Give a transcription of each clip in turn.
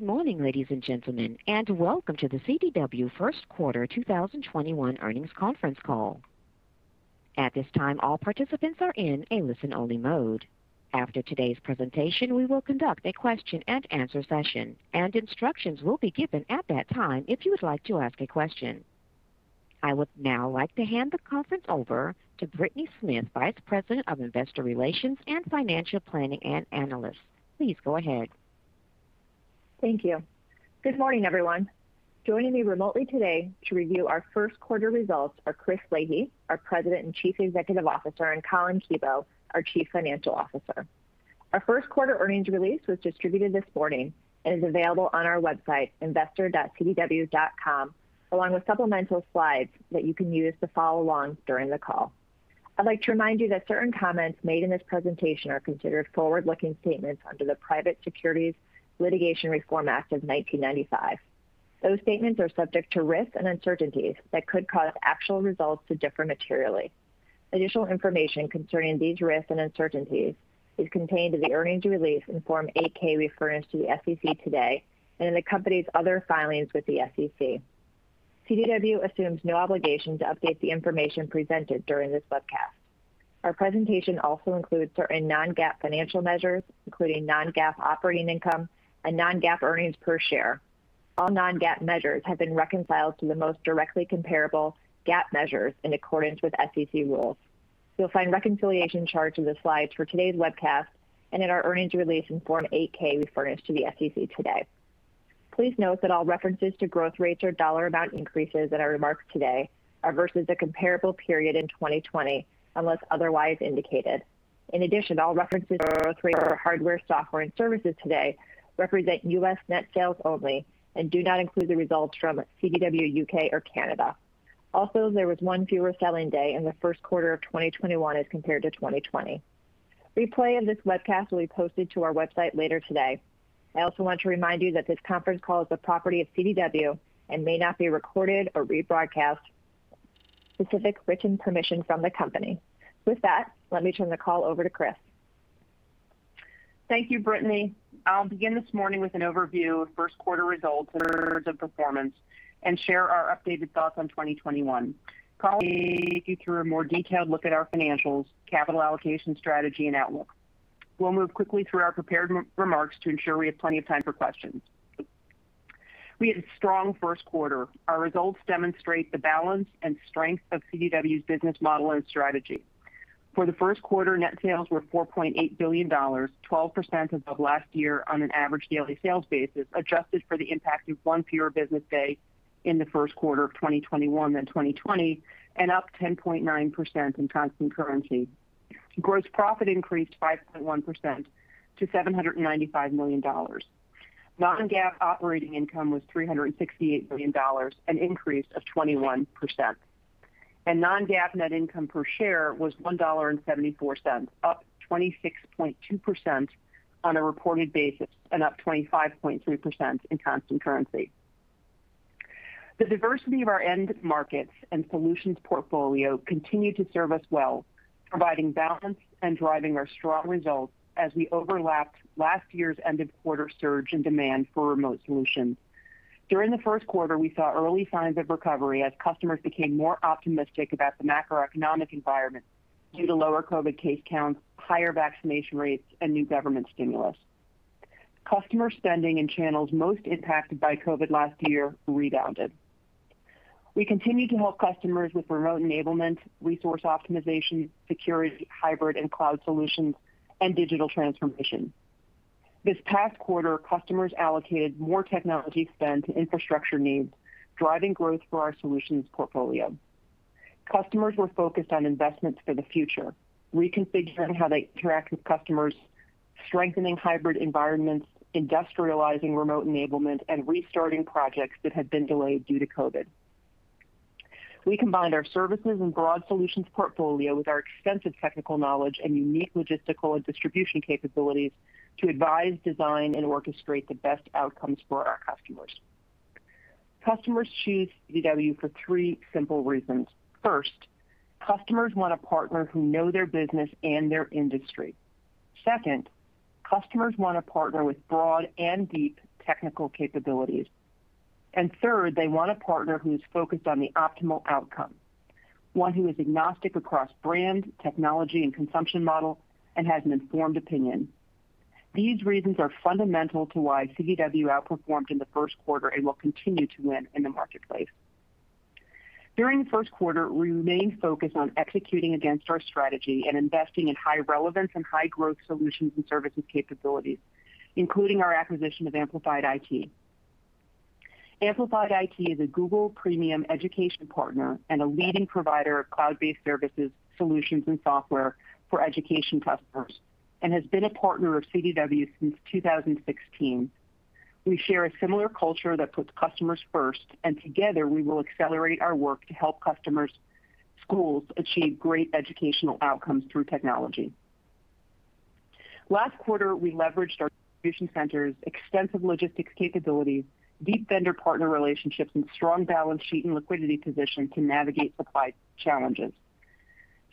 Good morning, ladies and gentlemen, and welcome to the CDW First Quarter 2021 Earnings Conference Call. At this time, all participants are in a listen-only mode. After today's presentation, we will conduct a question and answer session, and instructions will be given at that time if you would like to ask a question. I would now like to hand the conference over to Brittany Smith, Vice President of Investor Relations and Financial Planning and Analysis. Please go ahead. Thank you. Good morning, everyone. Joining me remotely today to review our first quarter results are Chris Leahy, our President and Chief Executive Officer, and Collin Kebo, our Chief Financial Officer. Our first quarter earnings release was distributed this morning and is available on our website, investor.cdw.com, along with supplemental slides that you can use to follow along during the call. I'd like to remind you that certain comments made in this presentation are considered forward-looking statements under the Private Securities Litigation Reform Act of 1995. Those statements are subject to risks and uncertainties that could cause actual results to differ materially. Additional information concerning these risks and uncertainties is contained in the earnings release in Form 8-K furnished to the SEC today and in the company's other filings with the SEC. CDW assumes no obligation to update the information presented during this webcast. Our presentation also includes certain non-GAAP financial measures, including non-GAAP operating income and non-GAAP earnings per share. All non-GAAP measures have been reconciled to the most directly comparable GAAP measures in accordance with SEC rules. You'll find reconciliation charts in the slides for today's webcast and in our earnings release in Form 8-K we furnished to the SEC today. Please note that all references to growth rates or dollar amount increases in our remarks today are versus the comparable period in 2020, unless otherwise indicated. All references to growth rates for hardware, software, and services today represent U.S. net sales only and do not include the results from CDW U.K. or Canada. There was one fewer selling day in the first quarter of 2021 as compared to 2020. Replay of this webcast will be posted to our website later today. I also want to remind you that this conference call is the property of CDW and may not be recorded or rebroadcast without specific written permission from the company. With that, let me turn the call over to Chris. Thank you, Brittany. I'll begin this morning with an overview of first quarter results and trends of performance and share our updated thoughts on 2021. Collin will take you through a more detailed look at our financials, capital allocation strategy, and outlook. We'll move quickly through our prepared remarks to ensure we have plenty of time for questions. We had a strong first quarter. Our results demonstrate the balance and strength of CDW's business model and strategy. For the first quarter, net sales were $4.8 billion, 12% above last year on an average daily sales basis, adjusted for the impact of one fewer business day in the first quarter of 2021 than 2020, and up 10.9% in constant currency. Gross profit increased 5.1% to $795 million. Non-GAAP operating income was $368 million, an increase of 21%. Non-GAAP net income per share was $1.74, up 26.2% on a reported basis and up 25.3% in constant currency. The diversity of our end markets and solutions portfolio continue to serve us well, providing balance and driving our strong results as we overlapped last year's end-of-quarter surge in demand for remote solutions. During the first quarter, we saw early signs of recovery as customers became more optimistic about the macroeconomic environment due to lower COVID case counts, higher vaccination rates, and new government stimulus. Customer spending in channels most impacted by COVID last year rebounded. We continue to help customers with remote enablement, resource optimization, security, hybrid and cloud solutions, and digital transformation. This past quarter, customers allocated more technology spend to infrastructure needs, driving growth for our solutions portfolio. Customers were focused on investments for the future, reconfiguring how they interact with customers, strengthening hybrid environments, industrializing remote enablement, and restarting projects that had been delayed due to COVID. We combined our services and broad solutions portfolio with our extensive technical knowledge and unique logistical and distribution capabilities to advise, design, and orchestrate the best outcomes for our customers. Customers choose CDW for three simple reasons. First, customers want a partner who know their business and their industry. Second, customers want a partner with broad and deep technical capabilities. Third, they want a partner who is focused on the optimal outcome, one who is agnostic across brand, technology, and consumption model, and has an informed opinion. These reasons are fundamental to why CDW outperformed in the first quarter and will continue to win in the marketplace. During the first quarter, we remained focused on executing against our strategy and investing in high relevance and high growth solutions and services capabilities, including our acquisition of Amplified IT. Amplified IT is a Google premium education partner and a leading provider of cloud-based services, solutions, and software for education customers and has been a partner of CDW since 2016. We share a similar culture that puts customers first, and together we will accelerate our work to help customers' schools achieve great educational outcomes through technology. Last quarter, we leveraged our distribution centers' extensive logistics capabilities, deep vendor partner relationships, and strong balance sheet and liquidity position to navigate supply challenges.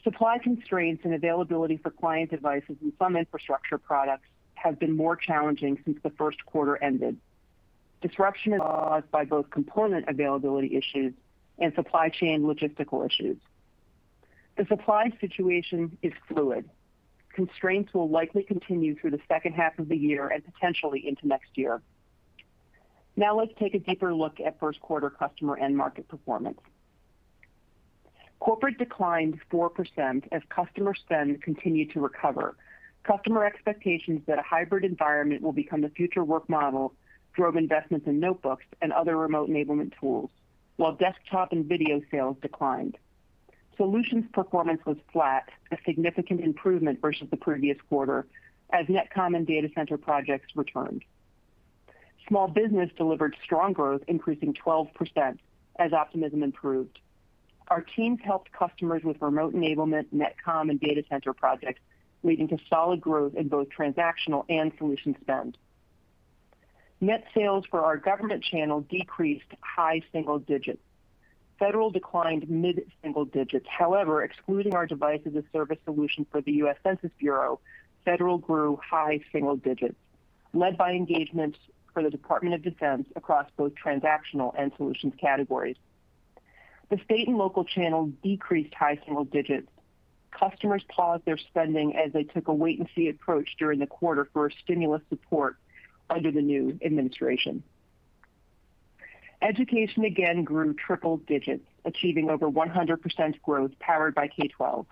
Supply constraints and availability for client devices and some infrastructure products have been more challenging since the first quarter ended. Disruption is caused by both component availability issues and supply chain logistical issues. The supply situation is fluid. Constraints will likely continue through the second half of the year and potentially into next year. Let's take a deeper look at first quarter customer end market performance. Corporate declined 4% as customer spend continued to recover. Customer expectations that a hybrid environment will become the future work model drove investments in notebooks and other remote enablement tools, while desktop and video sales declined. Solutions performance was flat, a significant improvement versus the previous quarter, as network and data center projects returned. Small business delivered strong growth, increasing 12% as optimism improved. Our teams helped customers with remote enablement, network and data center projects, leading to solid growth in both transactional and solution spend. Net sales for our government channel decreased high single digits. Federal declined mid-single digits. However, excluding our Device as a Service solution for the U.S. Census Bureau, federal grew high single digits, led by engagements for the Department of Defense across both transactional and solutions categories. The state and local channel decreased high single digits. Customers paused their spending as they took a wait and see approach during the quarter for stimulus support under the new administration. Education again grew triple digits, achieving over 100% growth, powered by K-12.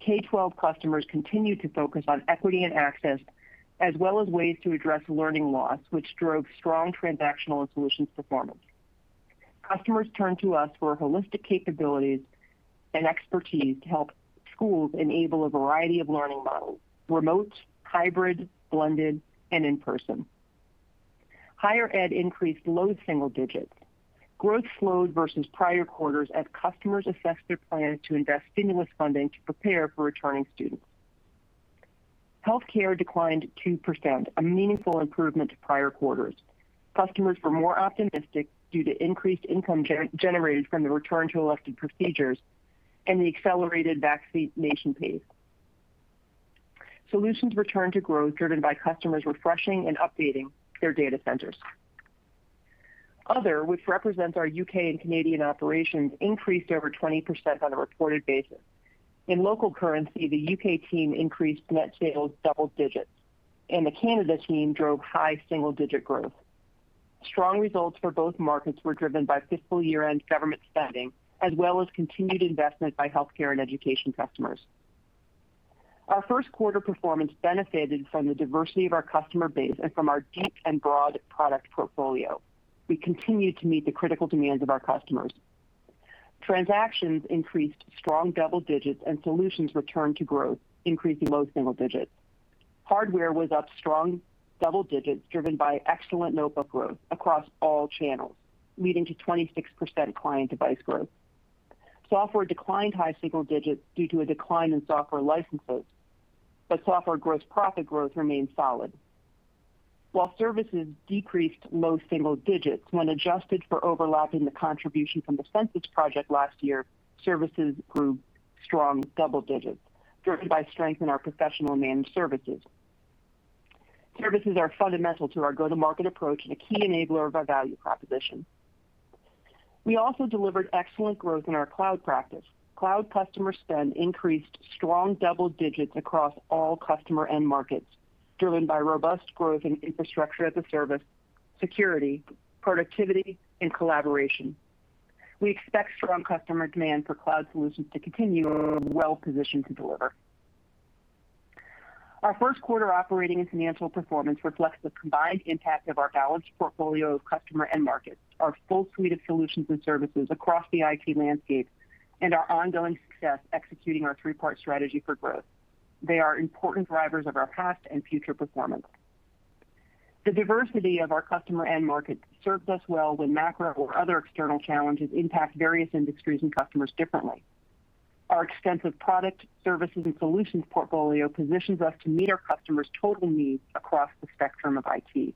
K-12 customers continued to focus on equity and access, as well as ways to address learning loss, which drove strong transactional and solutions performance. Customers turned to us for holistic capabilities and expertise to help schools enable a variety of learning models: remote, hybrid, blended, and in-person. Higher ed increased low single digits. Growth slowed versus prior quarters as customers assessed their plans to invest stimulus funding to prepare for returning students. Healthcare declined 2%, a meaningful improvement to prior quarters. Customers were more optimistic due to increased income generated from the return to elective procedures and the accelerated vaccination pace. Solutions returned to growth, driven by customers refreshing and updating their data centers. Other, which represents our U.K. and Canadian operations, increased over 20% on a reported basis. In local currency, the U.K. team increased net sales double digits, and the Canada team drove high single-digit growth. Strong results for both markets were driven by fiscal year-end government spending, as well as continued investment by healthcare and education customers. Our first quarter performance benefited from the diversity of our customer base and from our deep and broad product portfolio. We continued to meet the critical demands of our customers. Transactions increased strong double digits and solutions returned to growth, increasing low single digits. Hardware was up strong double digits, driven by excellent notebook growth across all channels, leading to 26% client device growth. Software declined high single digits due to a decline in software licenses. Software gross profit growth remains solid. While services decreased low single digits when adjusted for overlap in the contribution from the Census project last year, services grew strong double digits, driven by strength in our professional managed services. Services are fundamental to our go-to-market approach and a key enabler of our value proposition. We also delivered excellent growth in our cloud practice. Cloud customer spend increased strong double digits across all customer end markets, driven by robust growth in infrastructure as a service, security, productivity, and collaboration. We expect strong customer demand for cloud solutions to continue, and we're well-positioned to deliver. Our first quarter operating and financial performance reflects the combined impact of our balanced portfolio of customer end markets, our full suite of solutions and services across the IT landscape, and our ongoing success executing our three-part strategy for growth. They are important drivers of our past and future performance. The diversity of our customer end market serves us well when macro or other external challenges impact various industries and customers differently. Our extensive product, services, and solutions portfolio positions us to meet our customers' total needs across the spectrum of IT.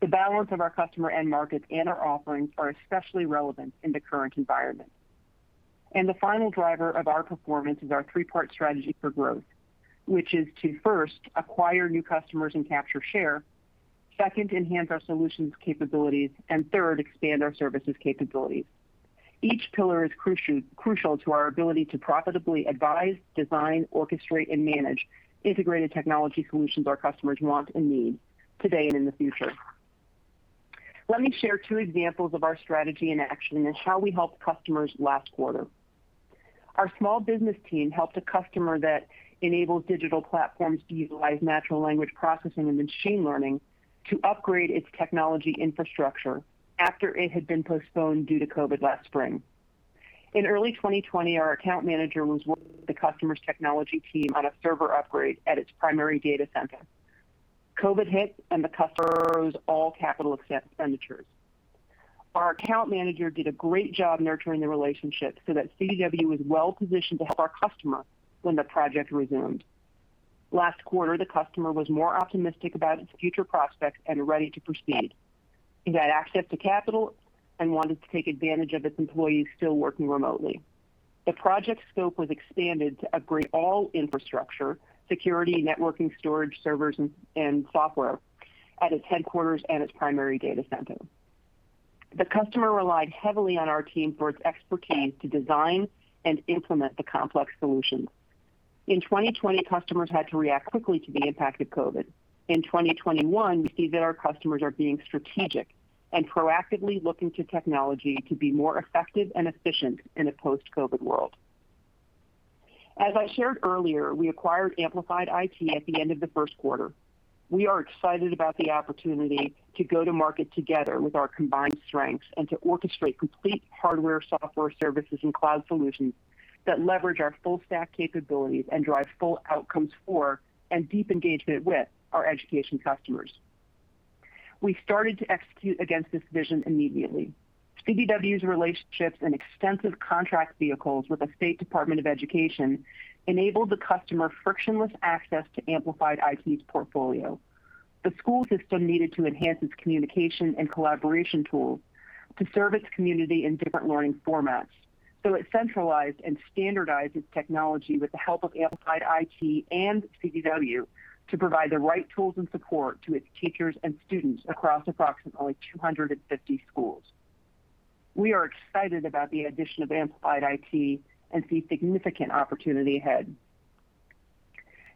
The balance of our customer end markets and our offerings are especially relevant in the current environment. The final driver of our performance is our three-part strategy for growth, which is to first acquire new customers and capture share. Second, enhance our solutions capabilities, and third, expand our services capabilities. Each pillar is crucial to our ability to profitably advise, design, orchestrate, and manage integrated technology solutions our customers want and need today and in the future. Let me share two examples of our strategy in action and how we helped customers last quarter. Our small business team helped a customer that enables digital platforms to utilize natural language processing and machine learning to upgrade its technology infrastructure after it had been postponed due to COVID last spring. In early 2020, our account manager was working with the customer's technology team on a server upgrade at its primary data center. COVID hit, and the customer froze all capital expenditures. Our account manager did a great job nurturing the relationship so that CDW was well-positioned to help our customer when the project resumed. Last quarter, the customer was more optimistic about its future prospects and ready to proceed. It had access to capital and wanted to take advantage of its employees still working remotely. The project scope was expanded to upgrade all infrastructure, security, networking, storage servers, and software at its headquarters and its primary data center. The customer relied heavily on our team for its expertise to design and implement the complex solutions. In 2020, customers had to react quickly to the impact of COVID. In 2021, we see that our customers are being strategic and proactively looking to technology to be more effective and efficient in a post-COVID world. As I shared earlier, we acquired Amplified IT at the end of the first quarter. We are excited about the opportunity to go to market together with our combined strengths and to orchestrate complete hardware, software services, cloud solutions that leverage our full stack capabilities and drive full outcomes for and deep engagement with our education customers. We started to execute against this vision immediately. CDW's relationships and extensive contract vehicles with the State Department of Education enabled the customer frictionless access to Amplified IT's portfolio. The school system needed to enhance its communication and collaboration tools to serve its community in different learning formats. It centralized and standardized its technology with the help of Amplified IT and CDW to provide the right tools and support to its teachers and students across approximately 250 schools. We are excited about the addition of Amplified IT and see significant opportunity ahead.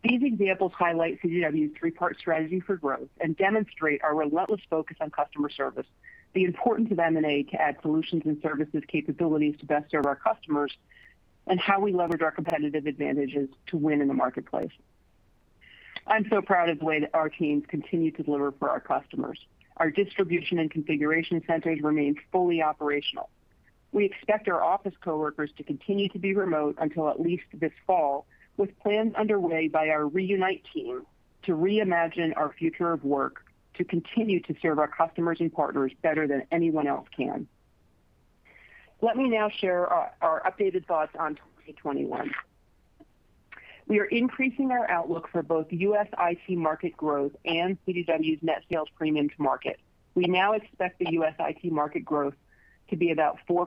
These examples highlight CDW's three-part strategy for growth and demonstrate our relentless focus on customer service, the importance of M&A to add solutions and services capabilities to best serve our customers, and how we leverage our competitive advantages to win in the marketplace. I'm so proud of the way that our teams continue to deliver for our customers. Our distribution and configuration centers remain fully operational. We expect our office coworkers to continue to be remote until at least this fall, with plans underway by our Reunite team to reimagine our future of work to continue to serve our customers and partners better than anyone else can. Let me now share our updated thoughts on 2021. We are increasing our outlook for both U.S. IT market growth and CDW's net sales premium to market. We now expect the U.S. IT market growth to be about 4%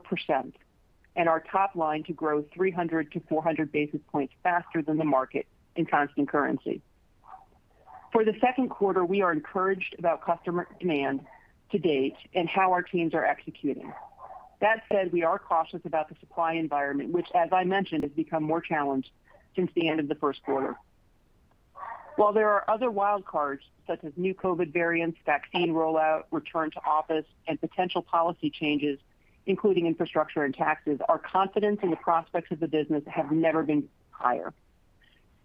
and our top line to grow 300-400 basis points faster than the market in constant currency. For the second quarter, we are encouraged about customer demand to date and how our teams are executing. That said, we are cautious about the supply environment, which as I mentioned, has become more challenged since the end of the first quarter. While there are other wild cards such as new COVID variants, vaccine rollout, return to office, and potential policy changes, including infrastructure and taxes, our confidence in the prospects of the business have never been higher.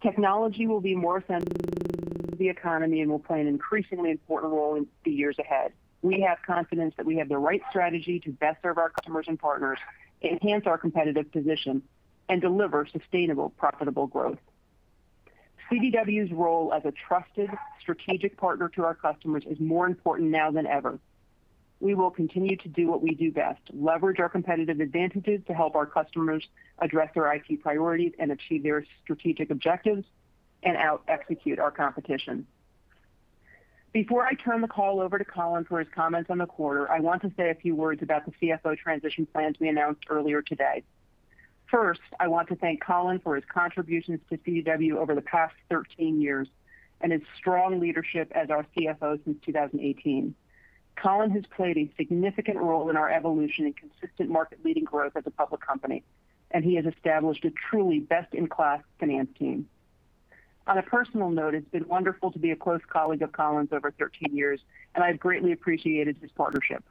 Technology will be more central to the economy and will play an increasingly important role in the years ahead. We have confidence that we have the right strategy to best serve our customers and partners, enhance our competitive position, and deliver sustainable, profitable growth. CDW's role as a trusted strategic partner to our customers is more important now than ever. We will continue to do what we do best, leverage our competitive advantages to help our customers address their IT priorities and achieve their strategic objectives, and out-execute our competition. Before I turn the call over to Collin for his comments on the quarter, I want to say a few words about the CFO transition plans we announced earlier today. First, I want to thank Collin for his contributions to CDW over the past 13 years and his strong leadership as our CFO since 2018. Collin has played a significant role in our evolution and consistent market-leading growth as a public company, and he has established a truly best-in-class finance team. On a personal note, it's been wonderful to be a close colleague of Collin's over 13 years, and I've greatly appreciated his partnership.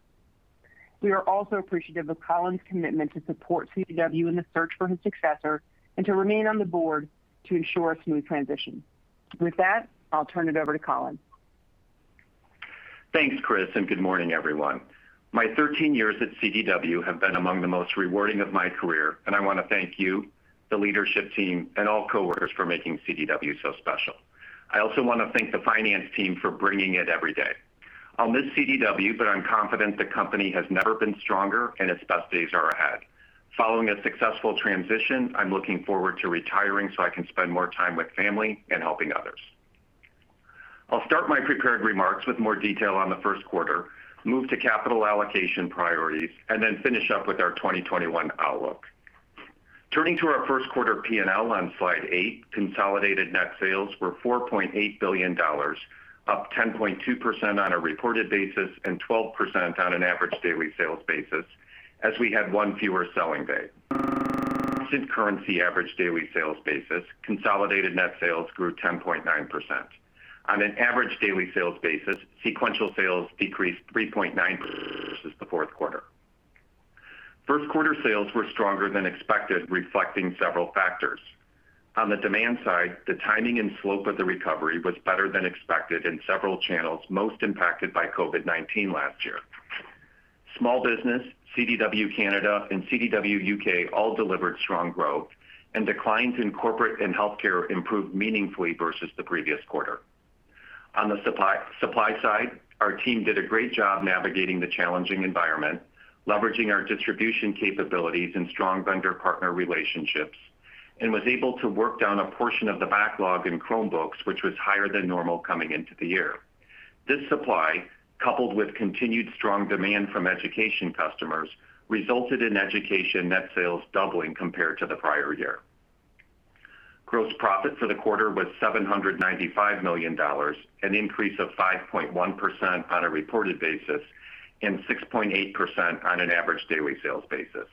We are also appreciative of Collin's commitment to support CDW in the search for his successor and to remain on the board to ensure a smooth transition. With that, I'll turn it over to Collin. Thanks, Chris. Good morning, everyone. My 13 years at CDW have been among the most rewarding of my career, and I want to thank you, the leadership team, and all coworkers for making CDW so special. I also want to thank the finance team for bringing it every day. I'll miss CDW, but I'm confident the company has never been stronger and its best days are ahead. Following a successful transition, I'm looking forward to retiring so I can spend more time with family and helping others. I'll start my prepared remarks with more detail on the first quarter, move to capital allocation priorities, and then finish up with our 2021 outlook. Turning to our first quarter P&L on slide eight, consolidated net sales were $4.8 billion, up 10.2% on a reported basis and 12% on an average daily sales basis as we had one fewer selling day. Currency average daily sales basis, consolidated net sales grew 10.9%. On an average daily sales basis, sequential sales decreased 3.9% versus the fourth quarter. First quarter sales were stronger than expected, reflecting several factors. On the demand side, the timing and slope of the recovery was better than expected in several channels, most impacted by COVID-19 last year. Small business, CDW Canada, and CDW U.K. all delivered strong growth, and declines in corporate and healthcare improved meaningfully versus the previous quarter. On the supply side, our team did a great job navigating the challenging environment, leveraging our distribution capabilities and strong vendor partner relationships, and was able to work down a portion of the backlog in Chromebooks, which was higher than normal coming into the year. This supply, coupled with continued strong demand from education customers, resulted in education net sales doubling compared to the prior year. Gross profit for the quarter was $795 million, an increase of 5.1% on a reported basis and 6.8% on an average daily sales basis.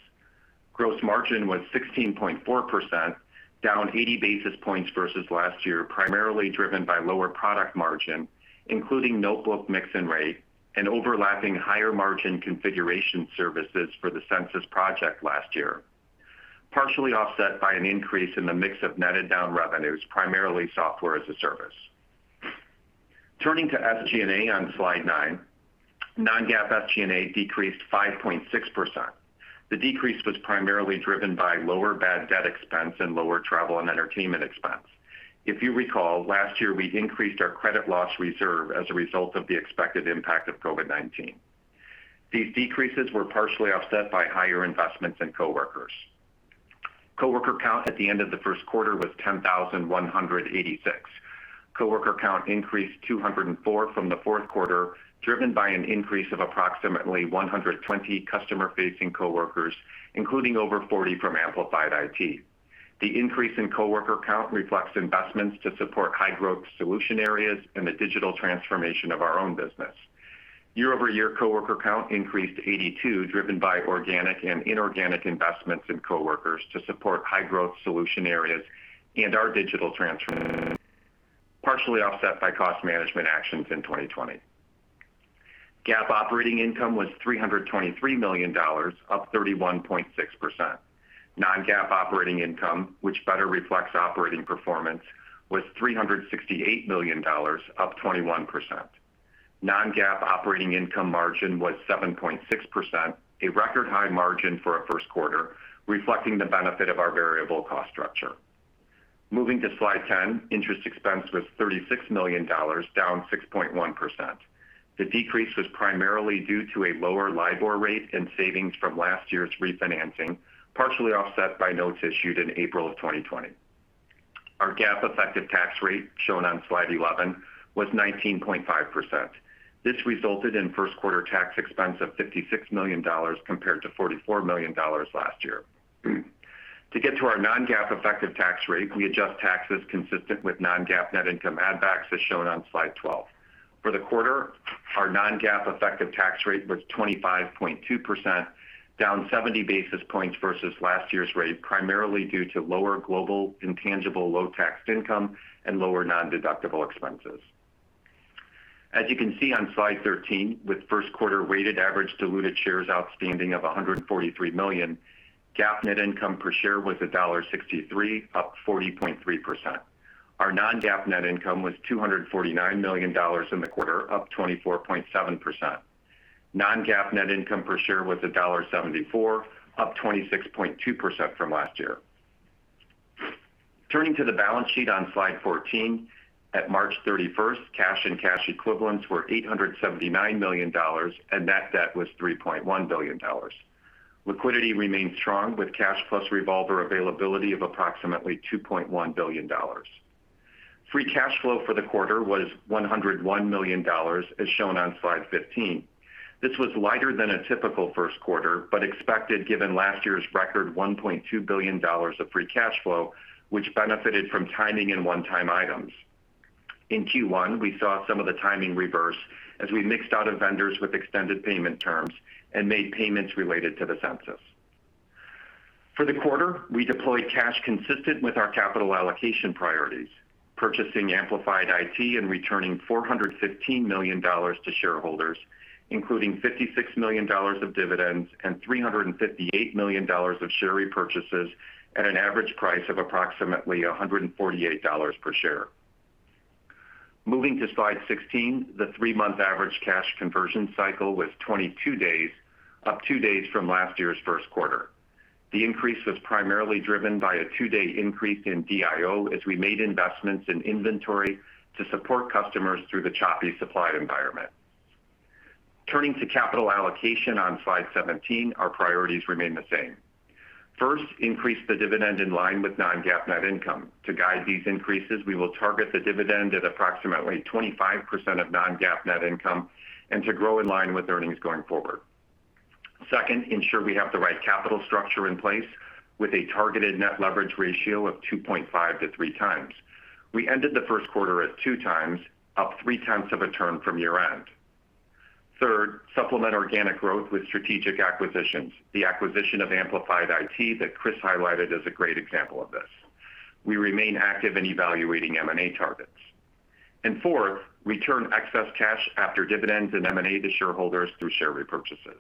Gross margin was 16.4%, down 80 basis points versus last year, primarily driven by lower product margin, including notebook mix and rate, and overlapping higher margin configuration services for the Census project last year, partially offset by an increase in the mix of netted down revenues, primarily Software as a Service. Turning to SG&A on slide nine, non-GAAP SG&A decreased 5.6%. The decrease was primarily driven by lower bad debt expense and lower travel and entertainment expense. If you recall, last year we increased our credit loss reserve as a result of the expected impact of COVID-19. These decreases were partially offset by higher investments in coworkers. Coworker count at the end of the first quarter was 10,186. Coworker count increased 204 from the fourth quarter, driven by an increase of approximately 120 customer-facing coworkers, including over 40 from Amplified IT. The increase in coworker count reflects investments to support high-growth solution areas and the digital transformation of our own business. Year-over-year, coworker count increased 82, driven by organic and inorganic investments in coworkers to support high-growth solution areas and our digital transformation, partially offset by cost management actions in 2020. GAAP operating income was $323 million, up 31.6%. Non-GAAP operating income, which better reflects operating performance, was $368 million, up 21%. Non-GAAP operating income margin was 7.6%, a record high margin for a first quarter, reflecting the benefit of our variable cost structure. Moving to slide 10, interest expense was $36 million, down 6.1%. The decrease was primarily due to a lower LIBOR rate and savings from last year's refinancing, partially offset by notes issued in April of 2020. Our GAAP effective tax rate, shown on slide 11, was 19.5%. This resulted in first quarter tax expense of $56 million compared to $44 million last year. To get to our non-GAAP effective tax rate, we adjust taxes consistent with non-GAAP net income add backs, as shown on Slide 12. For the quarter, our non-GAAP effective tax rate was 25.2%, down 70 basis points versus last year's rate, primarily due to lower global intangible low taxed income and lower nondeductible expenses. As you can see on slide 13, with first quarter weighted average diluted shares outstanding of 143 million, GAAP net income per share was $1.63, up 40.3%. Our non-GAAP net income was $249 million in the quarter, up 24.7%. Non-GAAP net income per share was $1.74, up 26.2% from last year. Turning to the balance sheet on slide 14, at March 31st, cash and cash equivalents were $879 million, and net debt was $3.1 billion. Liquidity remains strong, with cash plus revolver availability of approximately $2.1 billion. Free cash flow for the quarter was $101 million, as shown on slide 15. This was lighter than a typical first quarter, but expected given last year's record $1.2 billion of free cash flow, which benefited from timing and one-time items. In Q1, we saw some of the timing reverse as we mixed out of vendors with extended payment terms and made payments related to the Census. For the quarter, we deployed cash consistent with our capital allocation priorities, purchasing Amplified IT and returning $415 million to shareholders, including $56 million of dividends and $358 million of share repurchases at an average price of approximately $148 per share. Moving to slide 16, the three-month average cash conversion cycle was 22 days, up two days from last year's first quarter. The increase was primarily driven by a two-day increase in DIO as we made investments in inventory to support customers through the choppy supply environment. Turning to capital allocation on slide 17, our priorities remain the same. First, increase the dividend in line with non-GAAP net income. To guide these increases, we will target the dividend at approximately 25% of non-GAAP net income and to grow in line with earnings going forward. Second, ensure we have the right capital structure in place with a targeted net leverage ratio of 2.5-3x. We ended the first quarter at 2x, up 0.3 of a turn from year-end. Third, supplement organic growth with strategic acquisitions. The acquisition of Amplified IT that Chris highlighted is a great example of this. We remain active in evaluating M&A targets. Fourth, return excess cash after dividends and M&A to shareholders through share repurchases.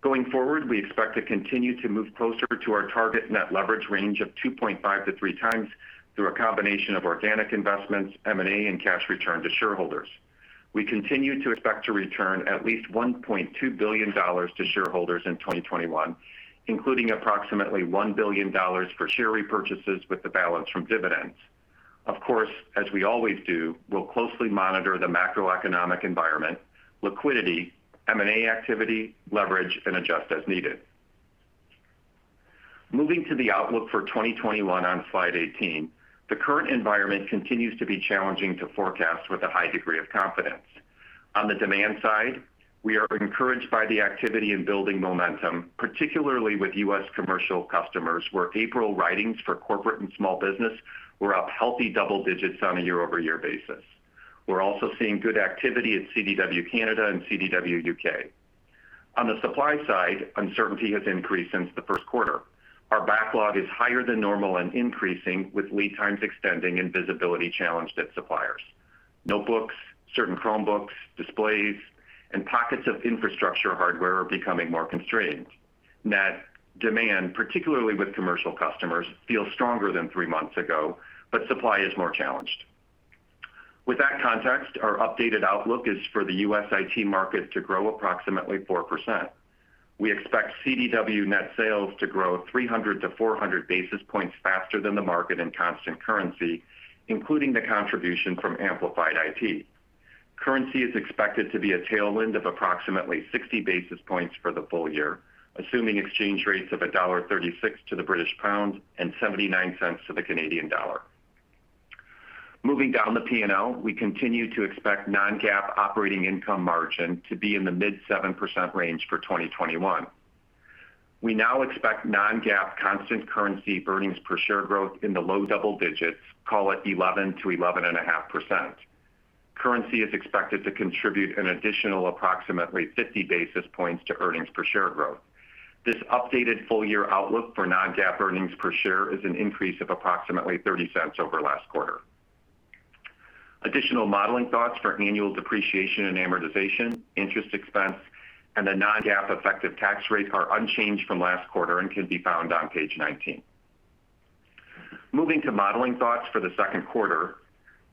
Going forward, we expect to continue to move closer to our target net leverage range of 2.5-3x through a combination of organic investments, M&A and cash return to shareholders. We continue to expect to return at least $1.2 billion to shareholders in 2021, including approximately $1 billion for share repurchases with the balance from dividends. Of course, as we always do, we'll closely monitor the macroeconomic environment, liquidity, M&A activity, leverage, and adjust as needed. Moving to the outlook for 2021 on slide 18. The current environment continues to be challenging to forecast with a high degree of confidence. On the demand side, we are encouraged by the activity and building momentum, particularly with U.S. commercial customers, where April writings for corporate and small business were up healthy double digits on a year-over-year basis. We're also seeing good activity at CDW Canada and CDW U.K. On the supply side, uncertainty has increased since the first quarter. Our backlog is higher than normal and increasing, with lead times extending and visibility challenged at suppliers. Notebooks, certain Chromebooks, displays, and pockets of infrastructure hardware are becoming more constrained. Net demand, particularly with commercial customers, feels stronger than three months ago, but supply is more challenged. With that context, our updated outlook is for the U.S. IT market to grow approximately 4%. We expect CDW net sales to grow 300-400 basis points faster than the market in constant currency, including the contribution from Amplified IT. Currency is expected to be a tailwind of approximately 60 basis points for the full year, assuming exchange rates of $1.36 to the British pound and $0.79 to the Canadian dollar. Moving down the P&L, we continue to expect non-GAAP operating income margin to be in the mid 7% range for 2021. We now expect non-GAAP constant currency earnings per share growth in the low double digits, call it 11%-11.5%. Currency is expected to contribute an additional approximately 50 basis points to earnings per share growth. This updated full-year outlook for non-GAAP earnings per share is an increase of approximately $0.30 over last quarter. Additional modeling thoughts for annual depreciation and amortization, interest expense, and the non-GAAP effective tax rate are unchanged from last quarter and can be found on page 19. Moving to modeling thoughts for the second quarter.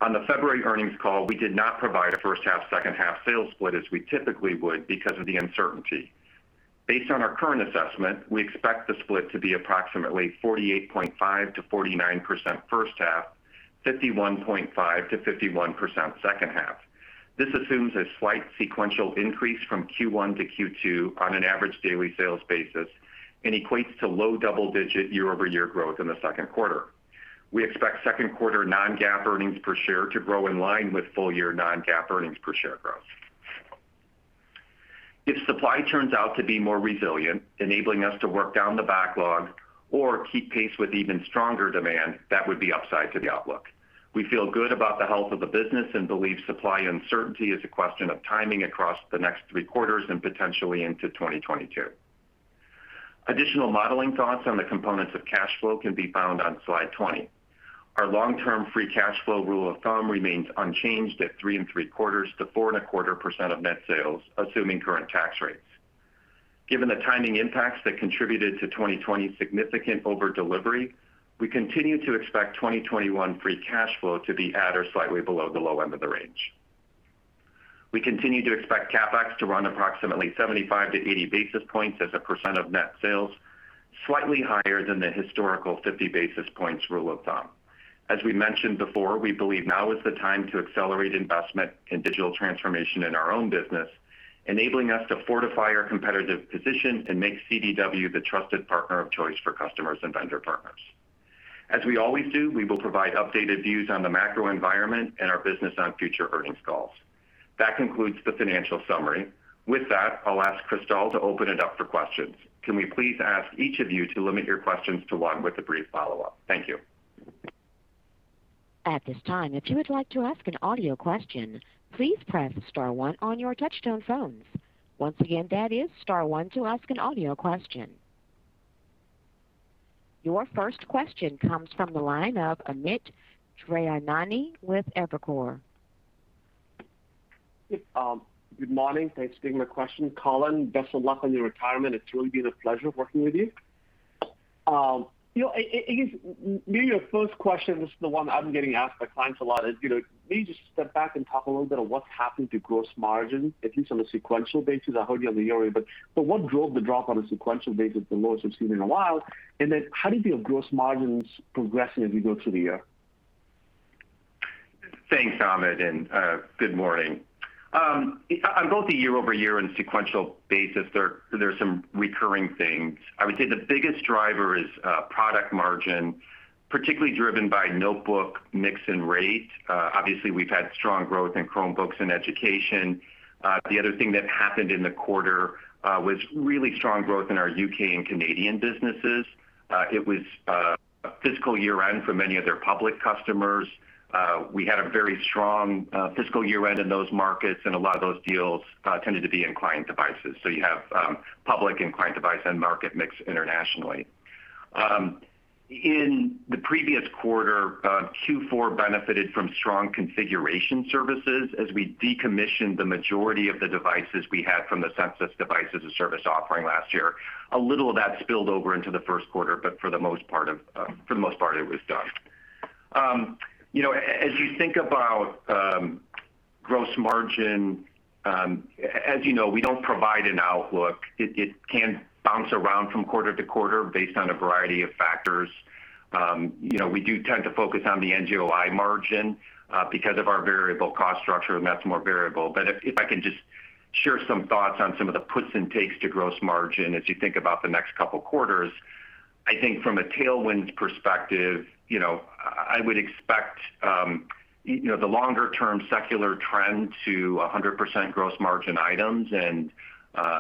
On the February earnings call, we did not provide a first half, second half sales split as we typically would because of the uncertainty. Based on our current assessment, we expect the split to be approximately 48.5%-49% first half, 51.5%-51% second half. This assumes a slight sequential increase from Q1 to Q2 on an average daily sales basis and equates to low double-digit year-over-year growth in the second quarter. We expect second quarter non-GAAP earnings per share to grow in line with full-year non-GAAP earnings per share growth. If supply turns out to be more resilient, enabling us to work down the backlog or keep pace with even stronger demand, that would be upside to the outlook. We feel good about the health of the business and believe supply uncertainty is a question of timing across the next three quarters and potentially into 2022. Additional modeling thoughts on the components of cash flow can be found on slide 20. Our long-term free cash flow rule of thumb remains unchanged at 3.75%-4.25% of net sales, assuming current tax rates. Given the timing impacts that contributed to 2020's significant over-delivery, we continue to expect 2021 free cash flow to be at or slightly below the low end of the range. We continue to expect CapEx to run approximately 75-80 basis points as a percent of net sales, slightly higher than the historical 50 basis points rule of thumb. As we mentioned before, we believe now is the time to accelerate investment in digital transformation in our own business, enabling us to fortify our competitive position and make CDW the trusted partner of choice for customers and vendor partners. As we always do, we will provide updated views on the macro environment and our business on future earnings calls. That concludes the financial summary. With that, I'll ask Crystal to open it up for questions. Can we please ask each of you to limit your questions to one with a brief follow-up? Thank you. At this time if you want to ask an audio question please press star one on your digital phone. Once again, that is star one to ask audio question. Your first question comes from the line of Amit Daryanani with Evercore. Good morning. Thanks for taking my question. Collin, best of luck on your retirement. It's really been a pleasure working with you. I guess maybe your first question, this is the one I'm getting asked by clients a lot is, can you just step back and talk a little bit of what's happened to gross margin, at least on a sequential basis? I heard you on the year-over-year, but what drove the drop on a sequential basis, the lowest we've seen in a while? How do you feel gross margin's progressing as we go through the year? Thanks, Amit, and good morning. On both the year-over-year and sequential basis, there are some recurring things. I would say the biggest driver is product margin, particularly driven by notebook mix and rate. Obviously, we've had strong growth in Chromebooks and education. The other thing that happened in the quarter was really strong growth in our U.K. and Canadian businesses. It was a fiscal year-end for many of their public customers. We had a very strong fiscal year-end in those markets, and a lot of those deals tended to be in client devices. You have public and client device end market mix internationally. In the previous quarter, Q4 benefited from strong configuration services as we decommissioned the majority of the devices we had from the Census Device as a Service offering last year. A little of that spilled over into the first quarter, but for the most part, it was done. As you think about gross margin, as you know, we don't provide an outlook. It can bounce around from quarter-to-quarter based on a variety of factors. We do tend to focus on the NGOI margin because of our variable cost structure, and that's more variable. If I can just share some thoughts on some of the puts and takes to gross margin as you think about the next couple of quarters, I think from a tailwinds perspective, I would expect the longer-term secular trend to 100% gross margin items and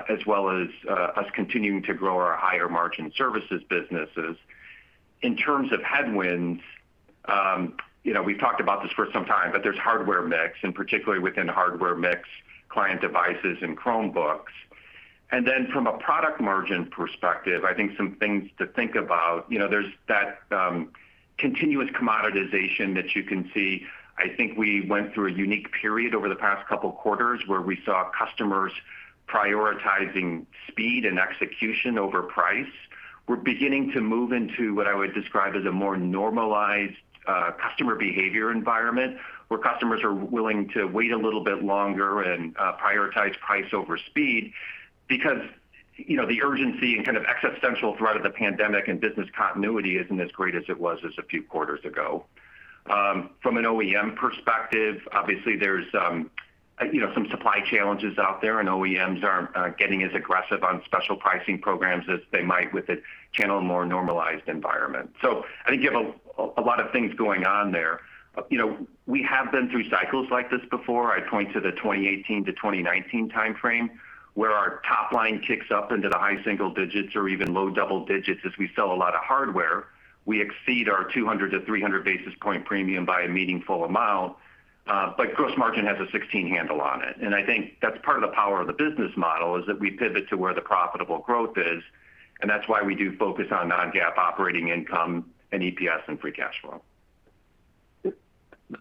as well as us continuing to grow our higher margin services businesses. In terms of headwinds, we've talked about this for some time, but there's hardware mix, and particularly within hardware mix, client devices and Chromebooks. From a product margin perspective, I think some things to think about, there's that continuous commoditization that you can see. I think we went through a unique period over the past couple quarters where we saw customers prioritizing speed and execution over price. We're beginning to move into what I would describe as a more normalized customer behavior environment, where customers are willing to wait a little bit longer and prioritize price over speed because the urgency and kind of existential threat of the pandemic and business continuity isn't as great as it was just a few quarters ago. From an OEM perspective, obviously there's some supply challenges out there, and OEMs aren't getting as aggressive on special pricing programs as they might with a channel more normalized environment. I think you have a lot of things going on there. We have been through cycles like this before. I point to the 2018 to 2019 timeframe, where our top line kicks up into the high single digits or even low double digits as we sell a lot of hardware. We exceed our 200 to 300 basis point premium by a meaningful amount. Gross margin has a 16 handle on it. I think that's part of the power of the business model, is that we pivot to where the profitable growth is, and that's why we do focus on non-GAAP operating income and EPS and free cash flow.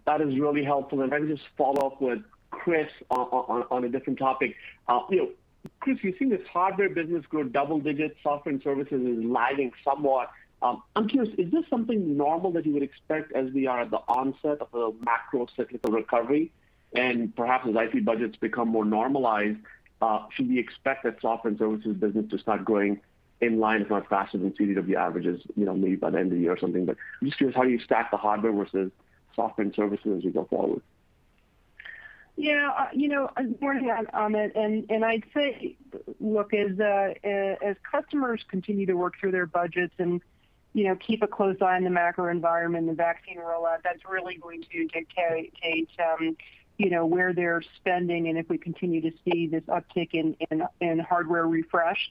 That is really helpful. If I can just follow up with Chris on a different topic. Chris, we've seen this hardware business grow double digits. Software and services is lagging somewhat. I'm curious, is this something normal that you would expect as we are at the onset of a macro cyclical recovery? Perhaps as IT budgets become more normalized, should we expect that software and services business to start growing in line, if not faster than CDW averages maybe by the end of the year or something? I'm just curious how you stack the hardware versus software and services as we go forward. Yeah. I'm going to add on it, and I'd say, look, as customers continue to work through their budgets and keep a close eye on the macro environment and the vaccine rollout, that's really going to dictate where they're spending and if we continue to see this uptick in hardware refresh.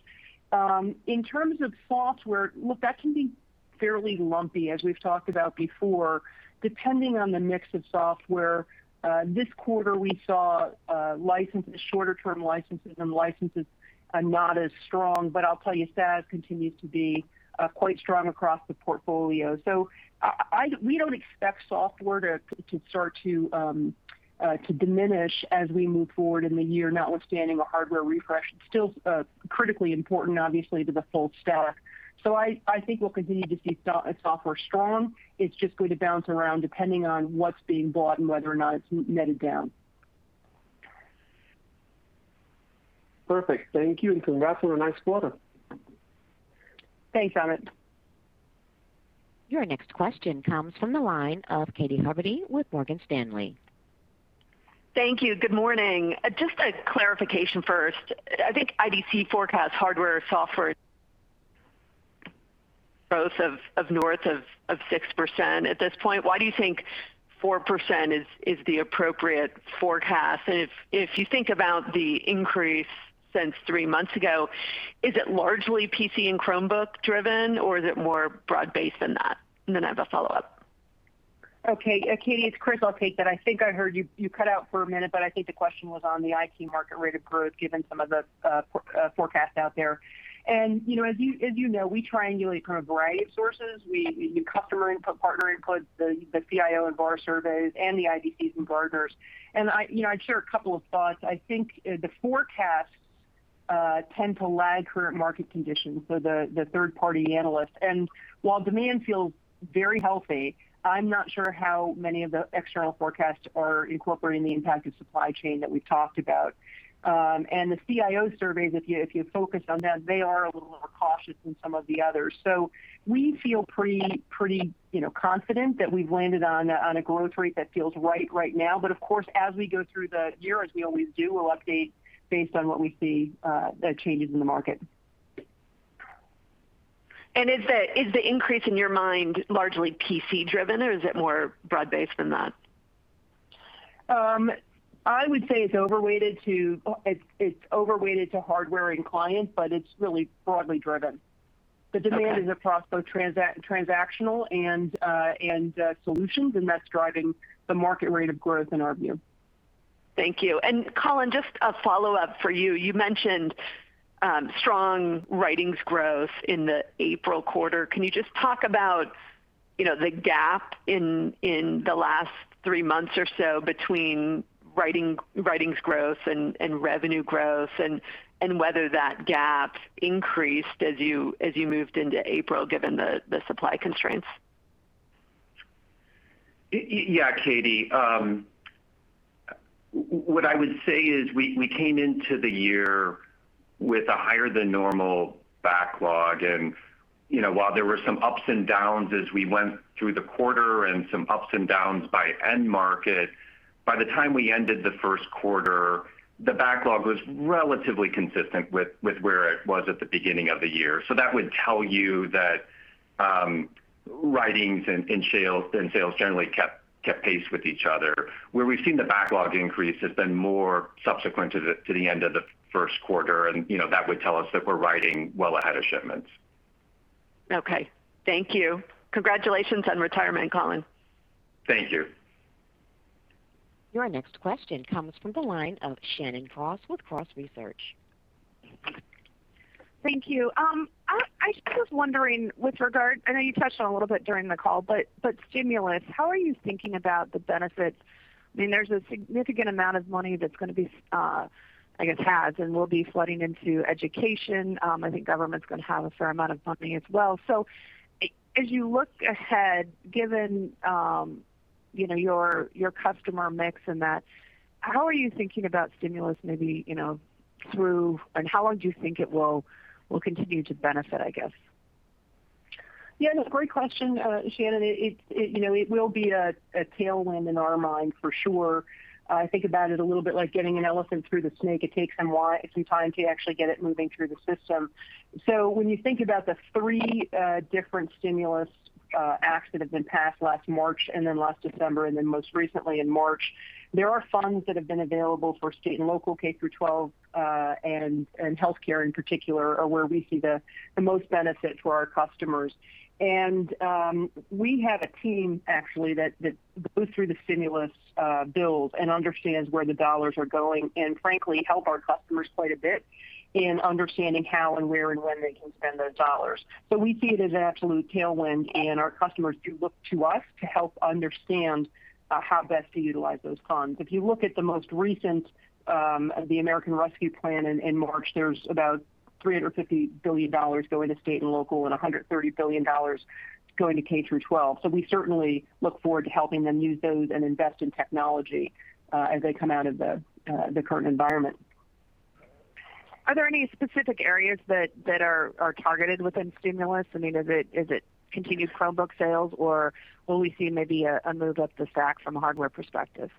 In terms of software, look, that can be fairly lumpy, as we've talked about before, depending on the mix of software. This quarter, we saw shorter-term licenses and licenses not as strong, but I'll tell you, SaaS continues to be quite strong across the portfolio. We don't expect software to start to diminish as we move forward in the year, notwithstanding a hardware refresh. It's still critically important, obviously, to the full stack. I think we'll continue to see software strong. It's just going to bounce around depending on what's being bought and whether or not it's netted down. Perfect. Thank you, and congrats on a nice quarter. Thanks, Amit. Your next question comes from the line of Katy Huberty with Morgan Stanley. Thank you. Good morning. Just a clarification first. I think IDC forecasts hardware or software growth of north of 6% at this point. Why do you think 4% is the appropriate forecast? If you think about the increase since three months ago, is it largely PC and Chromebook driven, or is it more broad-based than that? I have a follow-up. Okay. Katy, it's Chris. I'll take that. I think I heard you cut out for a minute, I think the question was on the IT market rate of growth given some of the forecasts out there. As you know, we triangulate from a variety of sources. We do customer input, partner input, the CIO and VAR surveys, and the IDCs and Gartner. I'd share a couple of thoughts. I think the forecasts tend to lag current market conditions, so the third-party analysts. While demand feels very healthy, I'm not sure how many of the external forecasts are incorporating the impact of supply chain that we've talked about. The CIO surveys, if you focus on them, they are a little more cautious than some of the others. We feel pretty confident that we've landed on a growth rate that feels right now. Of course, as we go through the year, as we always do, we'll update based on what we see that changes in the market. Is the increase in your mind largely PC driven, or is it more broad-based than that? I would say it's overweighted to hardware and clients, but it's really broadly driven. Okay. The demand is across both transactional and solutions, and that's driving the market rate of growth in our view. Thank you. Collin, just a follow-up for you. You mentioned strong writings growth in the April quarter. Can you just talk about the gap in the last three months or so between writings growth and revenue growth, and whether that gap increased as you moved into April given the supply constraints? Yeah, Katy. What I would say is we came into the year with a higher than normal backlog. While there were some ups and downs as we went through the quarter, and some ups and downs by end market, by the time we ended the first quarter, the backlog was relatively consistent with where it was at the beginning of the year. That would tell you that writings and sales generally kept pace with each other. Where we've seen the backlog increase, it's been more subsequent to the end of the first quarter, and that would tell us that we're writing well ahead of shipments. Okay. Thank you. Congratulations on retirement, Collin. Thank you. Your next question comes from the line of Shannon Cross with Cross Research. Thank you. I was just wondering with regard, I know you touched on it a little bit during the call, stimulus, how are you thinking about the benefits? There's a significant amount of money that's going to be, I guess, has and will be flooding into education. I think government's going to have a fair amount of funding as well. As you look ahead, given your customer mix and that, how are you thinking about stimulus maybe through, and how long do you think it will continue to benefit, I guess? Yeah, no, great question, Shannon. It will be a tailwind in our mind for sure. I think about it a little bit like getting an elephant through the snake. It takes some time to actually get it moving through the system. When you think about the three different stimulus acts that have been passed last March, and then last December, and then most recently in March, there are funds that have been available for state and local K-12, and healthcare in particular, are where we see the most benefit for our customers. We have a team, actually, that goes through the stimulus bills and understands where the dollars are going, and frankly, help our customers quite a bit in understanding how and where and when they can spend those dollars. We see it as an absolute tailwind, and our customers do look to us to help understand how best to utilize those funds. If you look at the most recent, the American Rescue Plan in March, there's about $350 billion going to state and local, and $130 billion going to K-12. We certainly look forward to helping them use those and invest in technology as they come out of the current environment. Are there any specific areas that are targeted within stimulus? Is it continued Chromebook sales, or will we see maybe a move up the stack from a hardware perspective?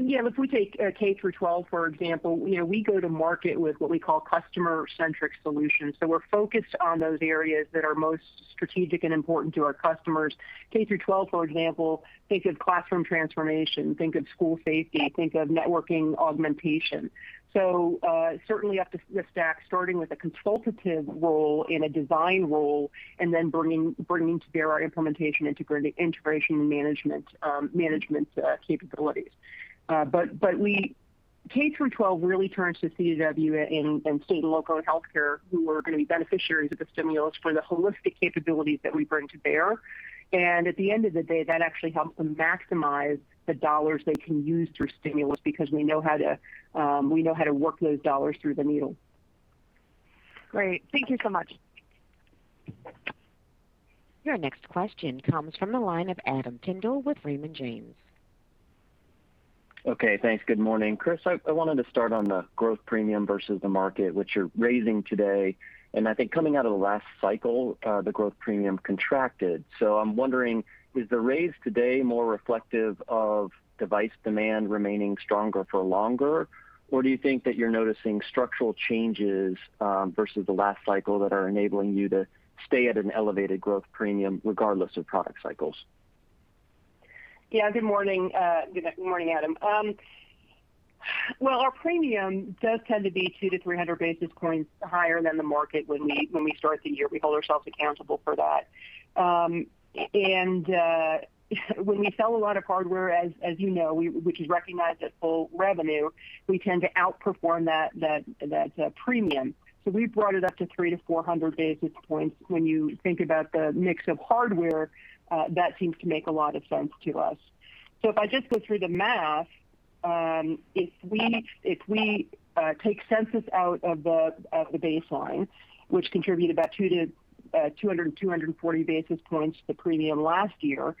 Yeah. If we take K-12, for example, we go to market with what we call customer-centric solutions. We're focused on those areas that are most strategic and important to our customers. K-12, for example, think of classroom transformation, think of school safety, think of networking augmentation. Certainly up the stack, starting with a consultative role and a design role, then bringing to bear our implementation, integration, and management capabilities. K-12 really turns to CDW and state and local and healthcare, who are going to be beneficiaries of the stimulus for the holistic capabilities that we bring to bear. At the end of the day, that actually helps them maximize the dollars they can use through stimulus, because we know how to work those dollars through the needle. Great. Thank you so much. Your next question comes from the line of Adam Tindle with Raymond James. Okay. Thanks. Good morning. Chris, I wanted to start on the growth premium versus the market, which you're raising today. I think coming out of the last cycle, the growth premium contracted. I'm wondering, is the raise today more reflective of device demand remaining stronger for longer, or do you think that you're noticing structural changes versus the last cycle that are enabling you to stay at an elevated growth premium regardless of product cycles? Good morning, Adam. Well, our premium does tend to be 200-300 basis points higher than the market when we start the year. We hold ourselves accountable for that. When we sell a lot of hardware, as you know, which is recognized as full revenue, we tend to outperform that premium. We've brought it up to 300-400 basis points. When you think about the mix of hardware, that seems to make a lot of sense to us. If I just go through the math, if we take Census out of the baseline, which contributed about 200-240 basis points to the premium last year,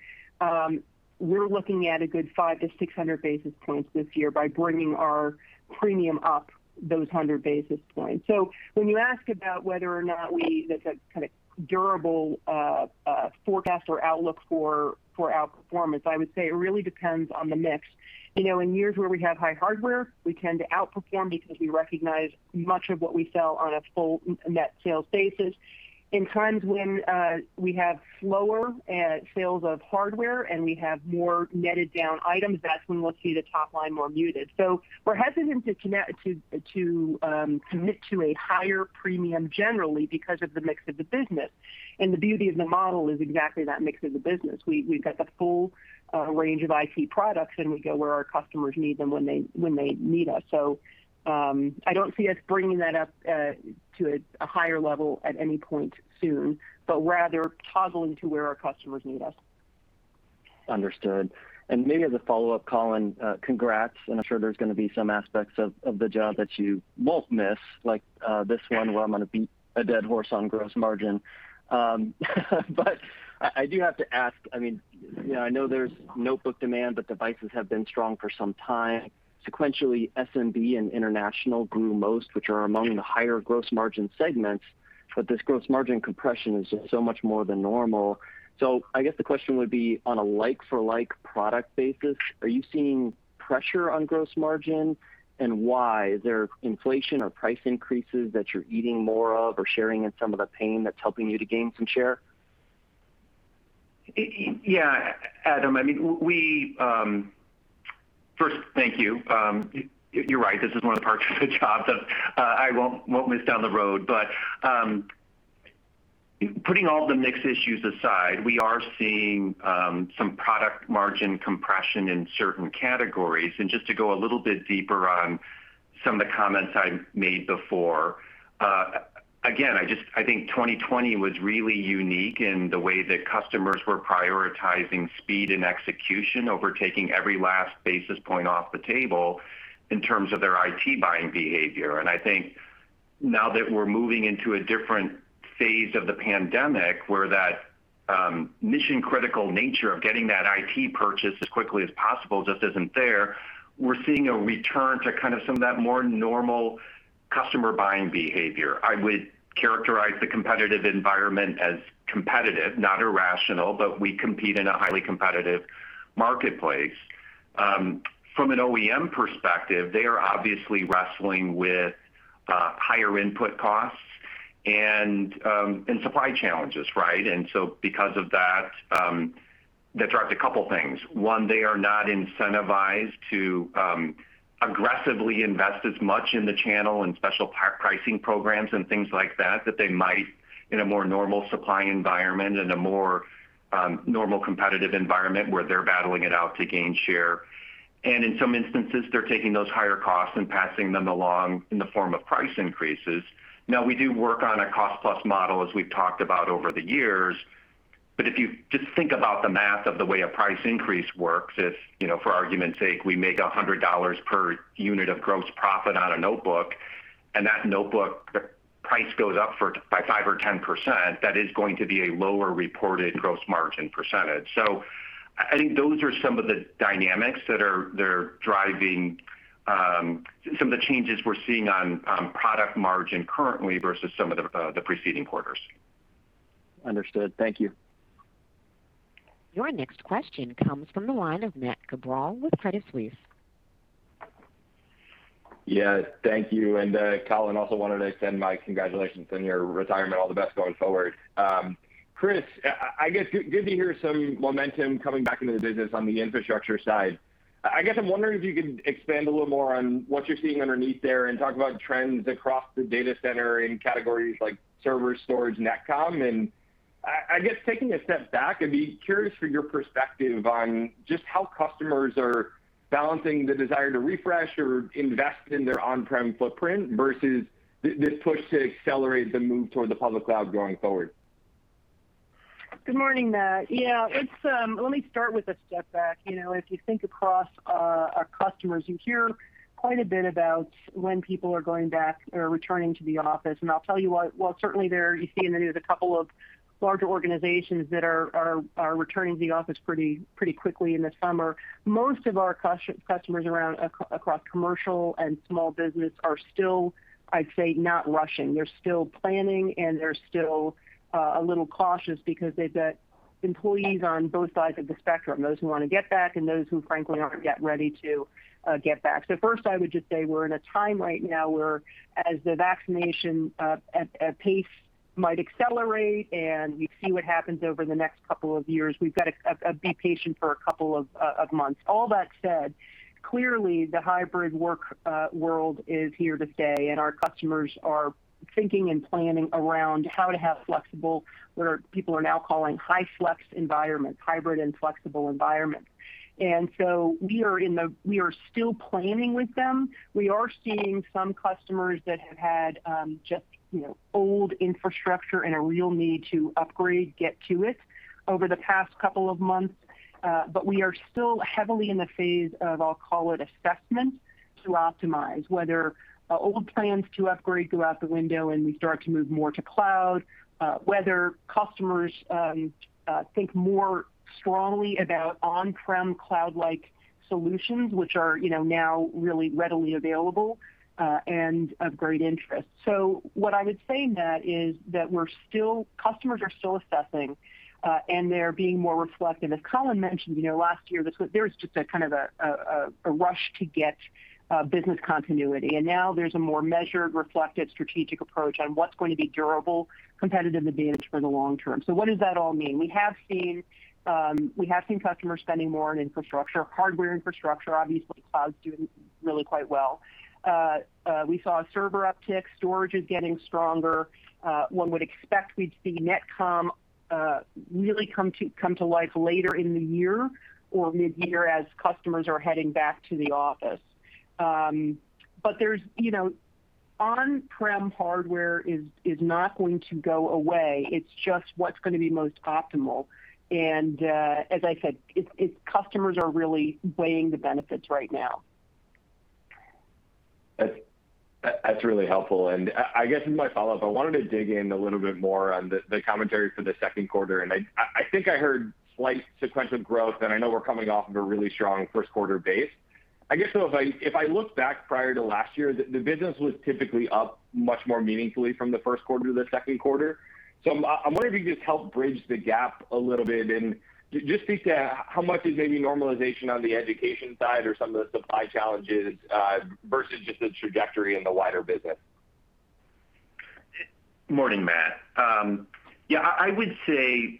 we're looking at a good 500-600 basis points this year by bringing our premium up those 100 basis points. When you ask about whether or not there's a durable forecast or outlook for outperformance, I would say it really depends on the mix. In years where we have high hardware, we tend to outperform because we recognize much of what we sell on a full net sales basis. In times when we have slower sales of hardware and we have more netted down items, that's when we'll see the top line more muted. We're hesitant to commit to a higher premium generally because of the mix of the business. The beauty of the model is exactly that mix of the business. We've got the full range of IT products, and we go where our customers need them when they need us. I don't see us bringing that up to a higher level at any point soon, but rather toggling to where our customers need us. Understood. Maybe as a follow-up, Collin, congrats, and I'm sure there's going to be some aspects of the job that you won't miss, like this one, where I'm going to beat a dead horse on gross margin. I do have to ask, I know there's notebook demand, but devices have been strong for some time. Sequentially, SMB and International grew most, which are among the higher gross margin segments, but this gross margin compression is just so much more than normal. I guess the question would be, on a like-for-like product basis, are you seeing pressure on gross margin, and why? Is there inflation or price increases that you're eating more of or sharing in some of the pain that's helping you to gain some share? Yeah. Adam, first, thank you. You're right, this is one of the parts of the job that I won't miss down the road. Putting all the mix issues aside, we are seeing some product margin compression in certain categories. Just to go a little bit deeper on some of the comments I made before. Again, I think 2020 was really unique in the way that customers were prioritizing speed and execution over taking every last basis point off the table in terms of their IT buying behavior. I think now that we're moving into a different phase of the pandemic, where that mission-critical nature of getting that IT purchase as quickly as possible just isn't there, we're seeing a return to some of that more normal customer buying behavior. I would characterize the competitive environment as competitive, not irrational, but we compete in a highly competitive marketplace. From an OEM perspective, they are obviously wrestling with higher input costs and supply challenges, right? Because of that drives a couple things. One, they are not incentivized to aggressively invest as much in the channel and special pricing programs and things like that they might in a more normal supply environment and a more normal competitive environment where they're battling it out to gain share. In some instances, they're taking those higher costs and passing them along in the form of price increases. Now, we do work on a cost-plus model, as we've talked about over the years. If you just think about the math of the way a price increase works, if for argument's sake, we make $100 per unit of gross profit on a notebook, and that notebook price goes up by 5% or 10%, that is going to be a lower reported gross margin percentage. I think those are some of the dynamics that are driving some of the changes we're seeing on product margin currently versus some of the preceding quarters. Understood. Thank you. Your next question comes from the line of Matt Cabral with Credit Suisse. Yeah. Thank you. Collin, also wanted to send my congratulations on your retirement. All the best going forward. Chris, I guess good to hear some momentum coming back into the business on the infrastructure side. I guess I'm wondering if you could expand a little more on what you're seeing underneath there and talk about trends across the data center in categories like server storage, network and, I guess taking a step back, I'd be curious for your perspective on just how customers are balancing the desire to refresh or invest in their on-prem footprint versus this push to accelerate the move toward the public cloud going forward. Good morning, Matt. Yeah. Let me start with a step back. If you think across our customers, you hear quite a bit about when people are going back or returning to the office. I'll tell you what, while certainly there, you see in the news a couple of larger organizations that are returning to the office pretty quickly in the summer. Most of our customers around across commercial and small business are still, I'd say, not rushing. They're still planning, they're still a little cautious because they've got employees on both sides of the spectrum, those who want to get back and those who frankly aren't yet ready to get back. First, I would just say we're in a time right now where as the vaccination at pace might accelerate, and we see what happens over the next couple of years. We've got to be patient for a couple of months. All that said, clearly the hybrid work world is here to stay, and our customers are thinking and planning around how to have flexible, what people are now calling HyFlex environments, hybrid and flexible environments. We are still planning with them. We are seeing some customers that have had just old infrastructure and a real need to upgrade, get to it over the past couple of months. We are still heavily in the phase of, I'll call it assessment to optimize, whether old plans to upgrade go out the window and we start to move more to cloud, whether customers think more strongly about on-prem cloud-like solutions, which are now really readily available, and of great interest. What I would say, Matt, is that customers are still assessing, and they're being more reflective. As Collin mentioned, last year there was just a kind of a rush to get business continuity, now there's a more measured, reflective, strategic approach on what's going to be durable competitive advantage for the long term. What does that all mean? We have seen customer spending more on infrastructure, hardware infrastructure, obviously cloud's doing really quite well. We saw a server uptick. Storage is getting stronger. One would expect we'd see network and really come to life later in the year or mid-year as customers are heading back to the office. On-prem hardware is not going to go away. It's just what's going to be most optimal. As I said, customers are really weighing the benefits right now. That's really helpful. I guess in my follow-up, I wanted to dig in a little bit more on the commentary for the second quarter, and I think I heard slight sequential growth, and I know we're coming off of a really strong first quarter base. I guess, if I look back prior to last year, the business was typically up much more meaningfully from the first quarter to the second quarter. I'm wondering if you could just help bridge the gap a little bit and just speak to how much is maybe normalization on the education side or some of the supply challenges, versus just the trajectory in the wider business. Morning, Matt. Yeah, I would say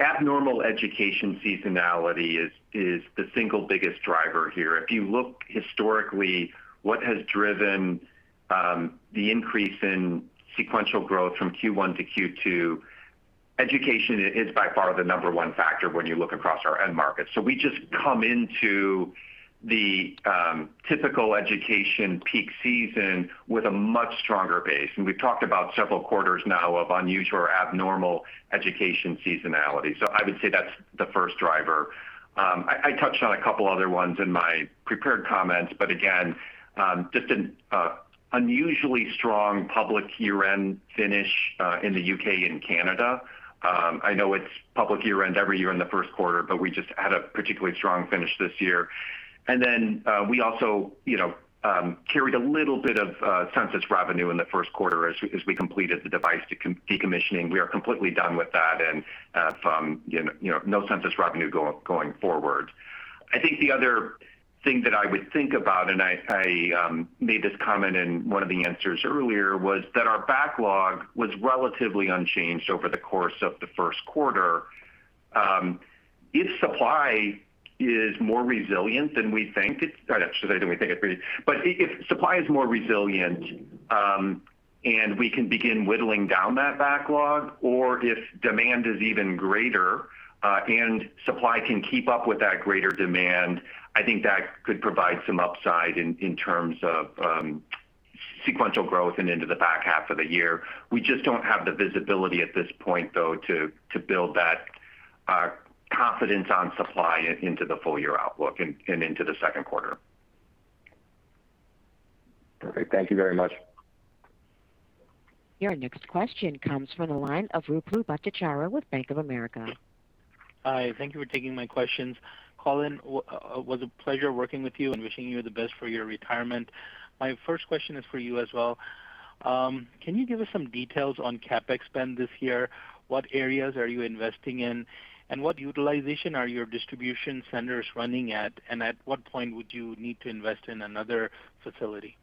abnormal education seasonality is the single biggest driver here. If you look historically, what has driven the increase in sequential growth from Q1 to Q2, education is by far the number one factor when you look across our end markets. We just come into the typical education peak season with a much stronger base, and we've talked about several quarters now of unusual or abnormal education seasonality. I would say that's the first driver. I touched on a couple other ones in my prepared comments, but again, just an unusually strong public year-end finish, in the U.K. and Canada. I know it's public year-end every year in the first quarter, but we just had a particularly strong finish this year. We also carried a little bit of census revenue in the first quarter as we completed the device decommissioning. We are completely done with that. No Census revenue going forward. I think the other thing that I would think about, and I made this comment in one of the answers earlier, was that our backlog was relatively unchanged over the course of the first quarter. If supply is more resilient than we think, I shouldn't say than we think, but if supply is more resilient, and we can begin whittling down that backlog, or if demand is even greater, and supply can keep up with that greater demand, I think that could provide some upside in terms of sequential growth and into the back half of the year. We just don't have the visibility at this point, though, to build that confidence on supply into the full-year outlook and into the second quarter. Perfect. Thank you very much. Your next question comes from the line of Ruplu Bhattacharya with Bank of America. Hi. Thank you for taking my questions. Collin, it was a pleasure working with you and wishing you the best for your retirement. My first question is for you as well. Can you give us some details on CapEx spend this year? What areas are you investing in, and what utilization are your distribution centers running at, and at what point would you need to invest in another facility?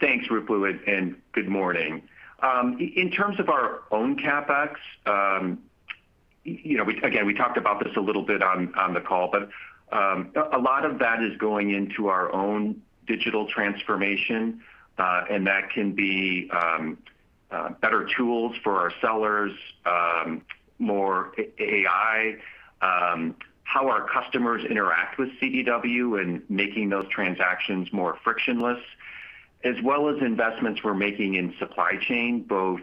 Thanks, Ruplu, good morning. In terms of our own CapEx, again, we talked about this a little bit on the call, but a lot of that is going into our own digital transformation, and that can be better tools for our sellers, more AI, how our customers interact with CDW, and making those transactions more frictionless, as well as investments we're making in supply chain, both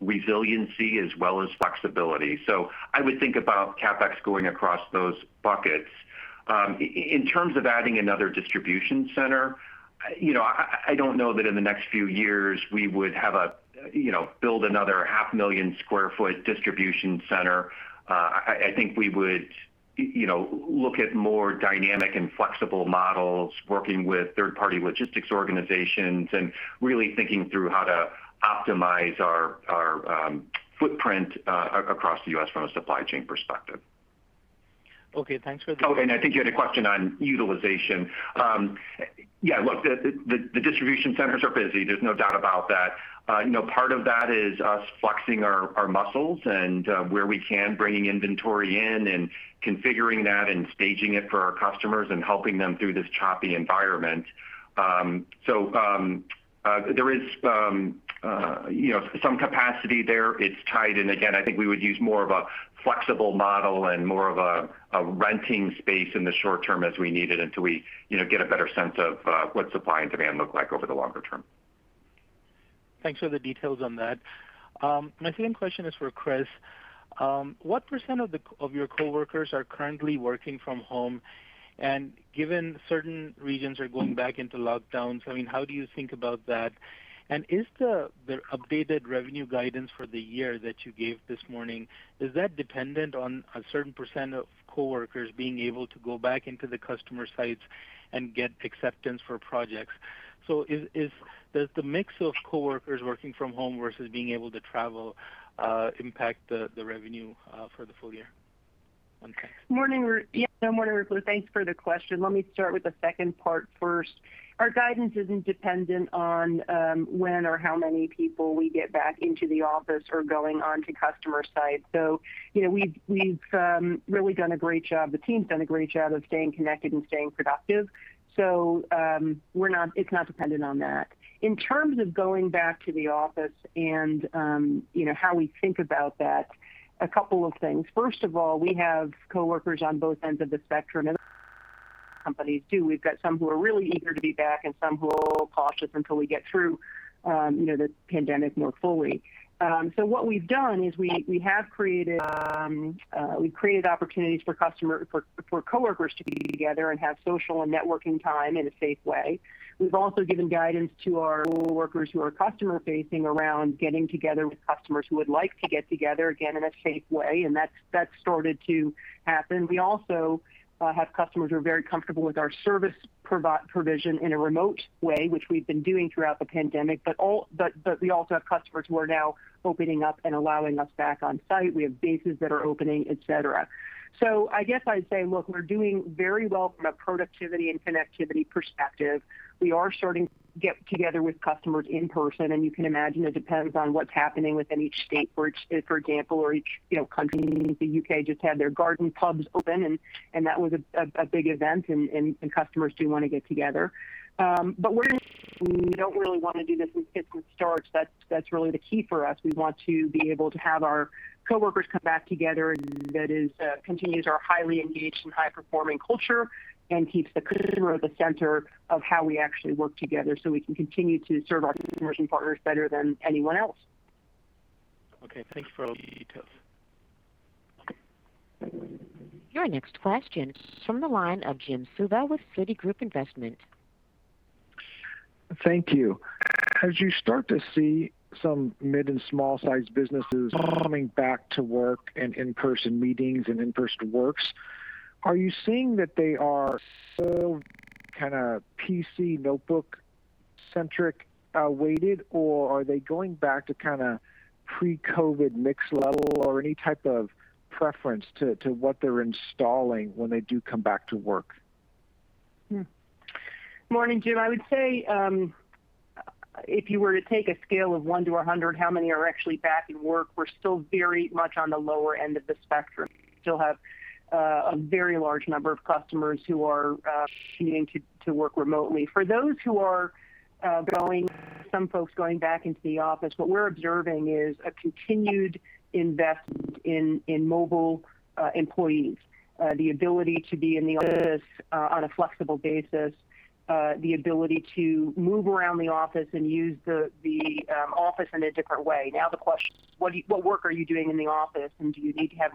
resiliency as well as flexibility. I would think about CapEx going across those buckets. In terms of adding another distribution center, I don't know that in the next few years we would build another half-million-square-foot distribution center. I think we would look at more dynamic and flexible models, working with third-party logistics organizations and really thinking through how to optimize our footprint across the U.S. from a supply chain perspective. Okay, thanks for the- I think you had a question on utilization. Yeah, look, the distribution centers are busy. There's no doubt about that. Part of that is us flexing our muscles and, where we can, bringing inventory in and configuring that and staging it for our customers and helping them through this choppy environment. There is some capacity there. It's tied, and again, I think we would use more of a flexible model and more of a renting space in the short term as we need it until we get a better sense of what supply and demand look like over the longer term. Thanks for the details on that. My second question is for Chris. What percent of your coworkers are currently working from home? Given certain regions are going back into lockdowns, how do you think about that? The updated revenue guidance for the year that you gave this morning, is that dependent on a certain percent of coworkers being able to go back into the customer sites and get acceptance for projects? Does the mix of coworkers working from home versus being able to travel impact the revenue for the full year? Morning. Yeah, morning, Ruplu. Thanks for the question. Let me start with the second part first. Our guidance isn't dependent on when or how many people we get back into the office or going onto customer sites. We've really done a great job, the team's done a great job of staying connected and staying productive, so it's not dependent on that. In terms of going back to the office and how we think about that, a couple of things. First of all, we have coworkers on both ends of the spectrum. Companies do. We've got some who are really eager to be back and some who are a little cautious until we get through the pandemic more fully. What we've done is we've created opportunities for coworkers to be together and have social and networking time in a safe way. We've also given guidance to our workers who are customer-facing around getting together with customers who would like to get together again in a safe way, and that's started to happen. We also have customers who are very comfortable with our service provision in a remote way, which we've been doing throughout the pandemic. We also have customers who are now opening up and allowing us back on site. We have bases that are opening, et cetera. I guess I'd say, look, we're doing very well from a productivity and connectivity perspective. We are starting to get together with customers in person. You can imagine it depends on what's happening within each state, for example, or each country. The U.K. just had their garden pubs open. That was a big event. Customers do want to get together. We don't really want to do this in fits and starts. That's really the key for us. We want to be able to have our coworkers come back together, and that continues our highly engaged and high-performing culture and keeps the customer at the center of how we actually work together so we can continue to serve our customers and partners better than anyone else. Okay, thanks for the details. Your next question is from the line of Jim Suva with Citigroup Investment. Thank you. As you start to see some mid and small-sized businesses coming back to work and in-person meetings and in-person works, are you seeing that they are still PC notebook-centric weighted, or are they going back to pre-COVID mix level, or any type of preference to what they're installing when they do come back to work? Morning, Jim. I would say, if you were to take a scale of 1-100, how many are actually back in work? We're still very much on the lower end of the spectrum. We still have a very large number of customers who are continuing to work remotely. For those who are going, some folks going back into the office, what we're observing is a continued investment in mobile employees. The ability to be in the office on a flexible basis, the ability to move around the office and use the office in a different way. The question is, what work are you doing in the office, and do you need to have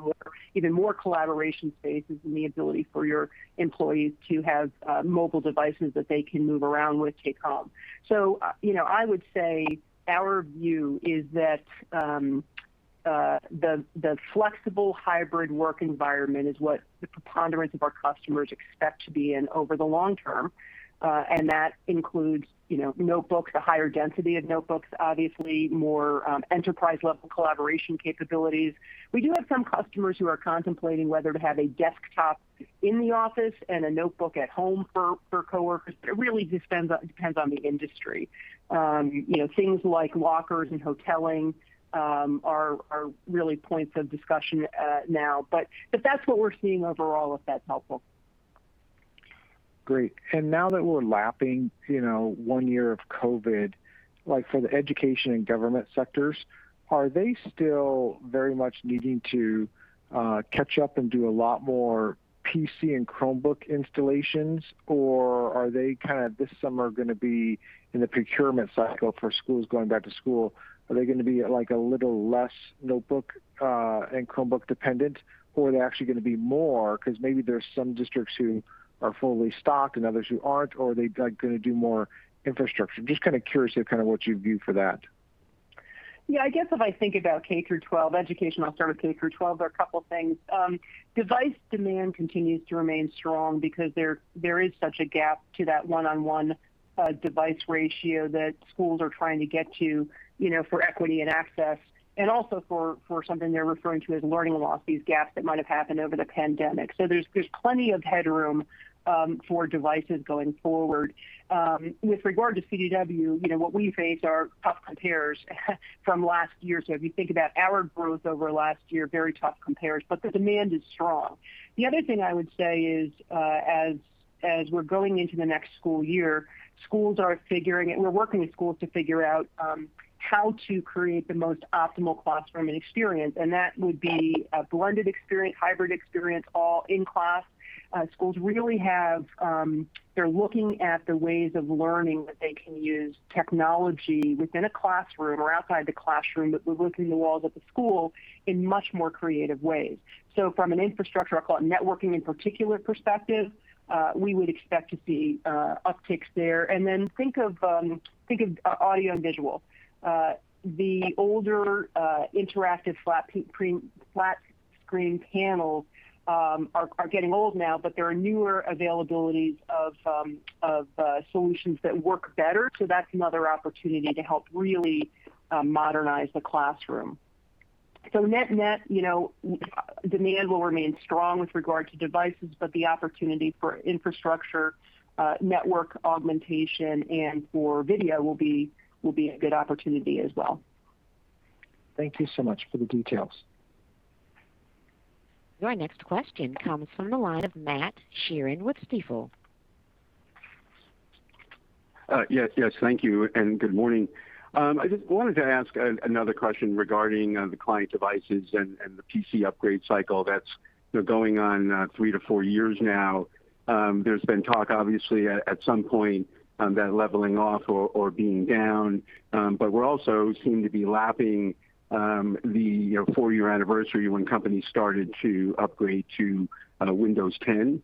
even more collaboration spaces and the ability for your employees to have mobile devices that they can move around with to accomplish? I would say our view is that the flexible hybrid work environment is what the preponderance of our customers expect to be in over the long term. That includes notebooks, a higher density of notebooks, obviously more enterprise-level collaboration capabilities. We do have some customers who are contemplating whether to have a desktop in the office and a notebook at home for coworkers. It really just depends on the industry. Things like lockers and hoteling are really points of discussion now. That's what we're seeing overall, if that's helpful. Great. Now that we're lapping one year of COVID, for the education and government sectors, are they still very much needing to catch up and do a lot more PC and Chromebook installations? Are they, this summer, going to be in the procurement cycle for schools going back to school? Are they going to be a little less notebook and Chromebook dependent, or are they actually going to be more because maybe there's some districts who are fully stocked and others who aren't, or are they going to do more infrastructure? Just kind of curious what you view for that. Yeah, I guess if I think about K-12 education, I'll start with K-12. There are a couple things. Device demand continues to remain strong because there is such a gap to that one-on-one device ratio that schools are trying to get to for equity and access, and also for something they're referring to as learning loss, these gaps that might have happened over the pandemic. There's plenty of headroom for devices going forward. With regard to CDW, what we face are tough compares from last year. If you think about our growth over last year, very tough compares, but the demand is strong. The other thing I would say is, as we're going into the next school year, we're working with schools to figure out how to create the most optimal classroom and experience. That would be a blended experience, hybrid experience, all in class. They're looking at the ways of learning that they can use technology within a classroom or outside the classroom. We're looking at the walls of the school in much more creative ways. From an infrastructure, I call it networking in particular perspective, we would expect to see upticks there. Then think of audio and visual. The older interactive flat screen panels are getting old now. There are newer availabilities of solutions that work better. That's another opportunity to help really modernize the classroom. Net, demand will remain strong with regard to devices, but the opportunity for infrastructure, network augmentation, and for video will be a good opportunity as well. Thank you so much for the details. Your next question comes from the line of Matt Sheerin with Stifel. Yes. Thank you, and good morning. I just wanted to ask another question regarding the client devices and the PC upgrade cycle that's been going on three to four years now. There's been talk, obviously, at some point, that leveling off or being down, but we also seem to be lapping the four-year anniversary of when companies started to upgrade to Windows 10.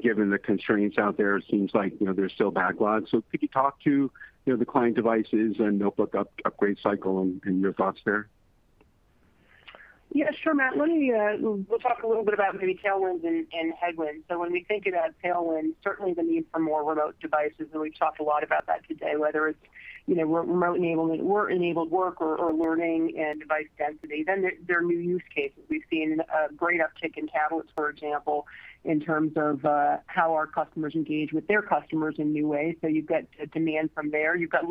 Given the constraints out there, it seems like there's still backlogs. Could you talk to the client devices and notebook upgrade cycle and your thoughts there? Yeah. Sure, Matt. We'll talk a little bit about maybe tailwinds and headwinds. When we think about tailwinds, certainly the need for more remote devices, and we've talked a lot about that today, whether it's remote-enabled work or learning and device density, then there are new use cases. We've seen a great uptick in tablets, for example, in terms of how our customers engage with their customers in new ways. You've got demand from there. You've got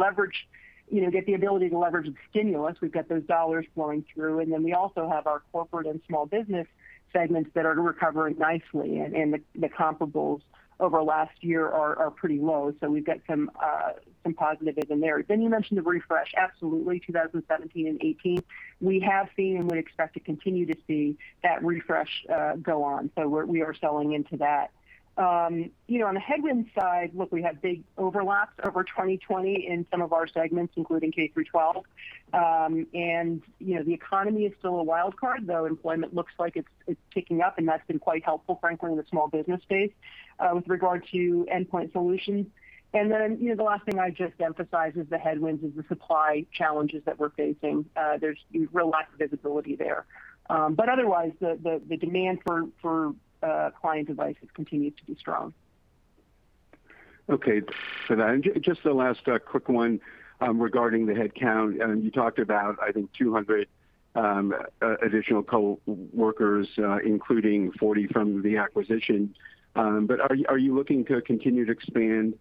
the ability to leverage the stimulus. We've got those dollars flowing through, and then we also have our corporate and small business segments that are recovering nicely, and the comparables over last year are pretty low. We've got some positivism there. You mentioned the refresh. Absolutely, 2017 and 2018, we have seen and would expect to continue to see that refresh go on. We are selling into that. On the headwinds side, look, we had big overlaps over 2020 in some of our segments, including K-12. The economy is still a wild card, though employment looks like it's ticking up, and that's been quite helpful, frankly, in the small business space with regard to endpoint solutions. The last thing I'd just emphasize as the headwinds is the supply challenges that we're facing. There's real lack of visibility there. Otherwise, the demand for client devices continues to be strong. Okay. Just the last quick one regarding the headcount. You talked about, I think, 200 additional coworkers, including 40 from the acquisition. Are you looking to continue to expand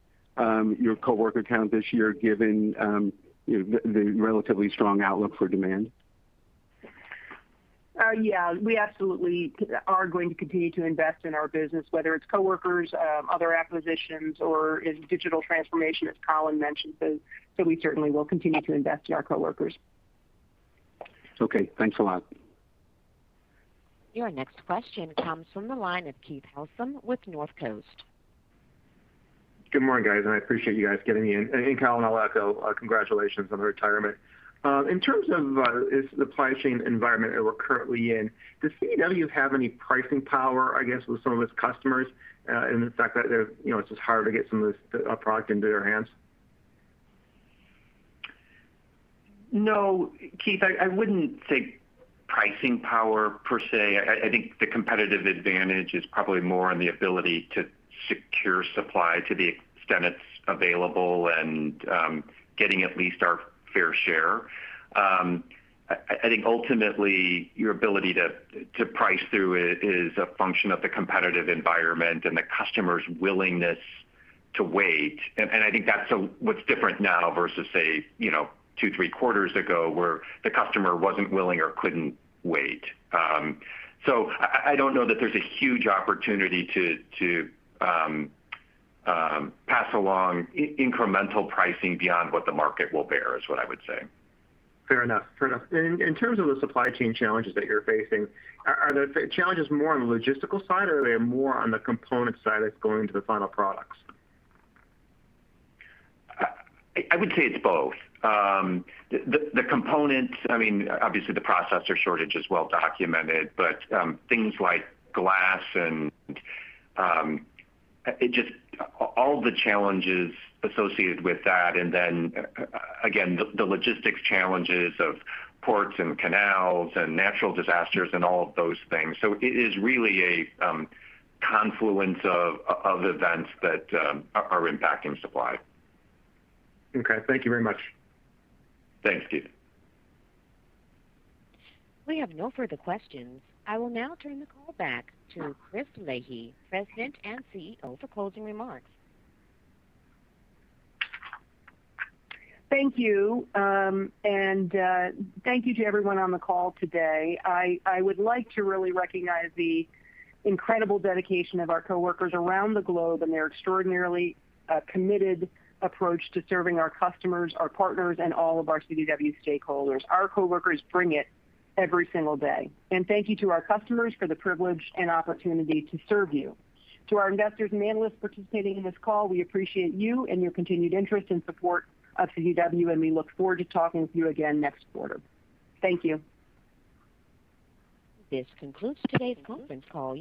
your coworker count this year given the relatively strong outlook for demand? Yeah. We absolutely are going to continue to invest in our business, whether it's coworkers, other acquisitions, or in digital transformation, as Collin mentioned. We certainly will continue to invest in our coworkers. Okay. Thanks a lot. Your next question comes from the line of Keith Housum with Northcoast Research. Good morning, guys, and I appreciate you guys getting me in. Collin, I'll echo, congratulations on the retirement. In terms of the supply chain environment that we're currently in, does CDW have any pricing power, I guess, with some of its customers, and the fact that it's just harder to get some of this product into their hands? No, Keith, I wouldn't say pricing power per se. I think the competitive advantage is probably more on the ability to secure supply to the extent it's available and getting at least our fair share. I think ultimately, your ability to price through it is a function of the competitive environment and the customer's willingness to wait. I think that's what's different now versus, say, two, three quarters ago, where the customer wasn't willing or couldn't wait. I don't know that there's a huge opportunity to pass along incremental pricing beyond what the market will bear, is what I would say. Fair enough. In terms of the supply chain challenges that you're facing, are the challenges more on the logistical side, or are they more on the component side that's going to the final products? I would say it's both. The components, obviously the processor shortage is well-documented, but things like glass and just all the challenges associated with that. Again, the logistics challenges of ports and canals and natural disasters and all of those things. It is really a confluence of events that are impacting supply. Okay. Thank you very much. Thanks, Keith. We have no further questions. I will now turn the call back to Chris Leahy, President and CEO, for closing remarks. Thank you. Thank you to everyone on the call today. I would like to really recognize the incredible dedication of our coworkers around the globe and their extraordinarily committed approach to serving our customers, our partners, and all of our CDW stakeholders. Our coworkers bring it every single day. Thank you to our customers for the privilege and opportunity to serve you. To our investors and analysts participating in this call, we appreciate you and your continued interest and support of CDW, and we look forward to talking with you again next quarter. Thank you. This concludes today's conference call.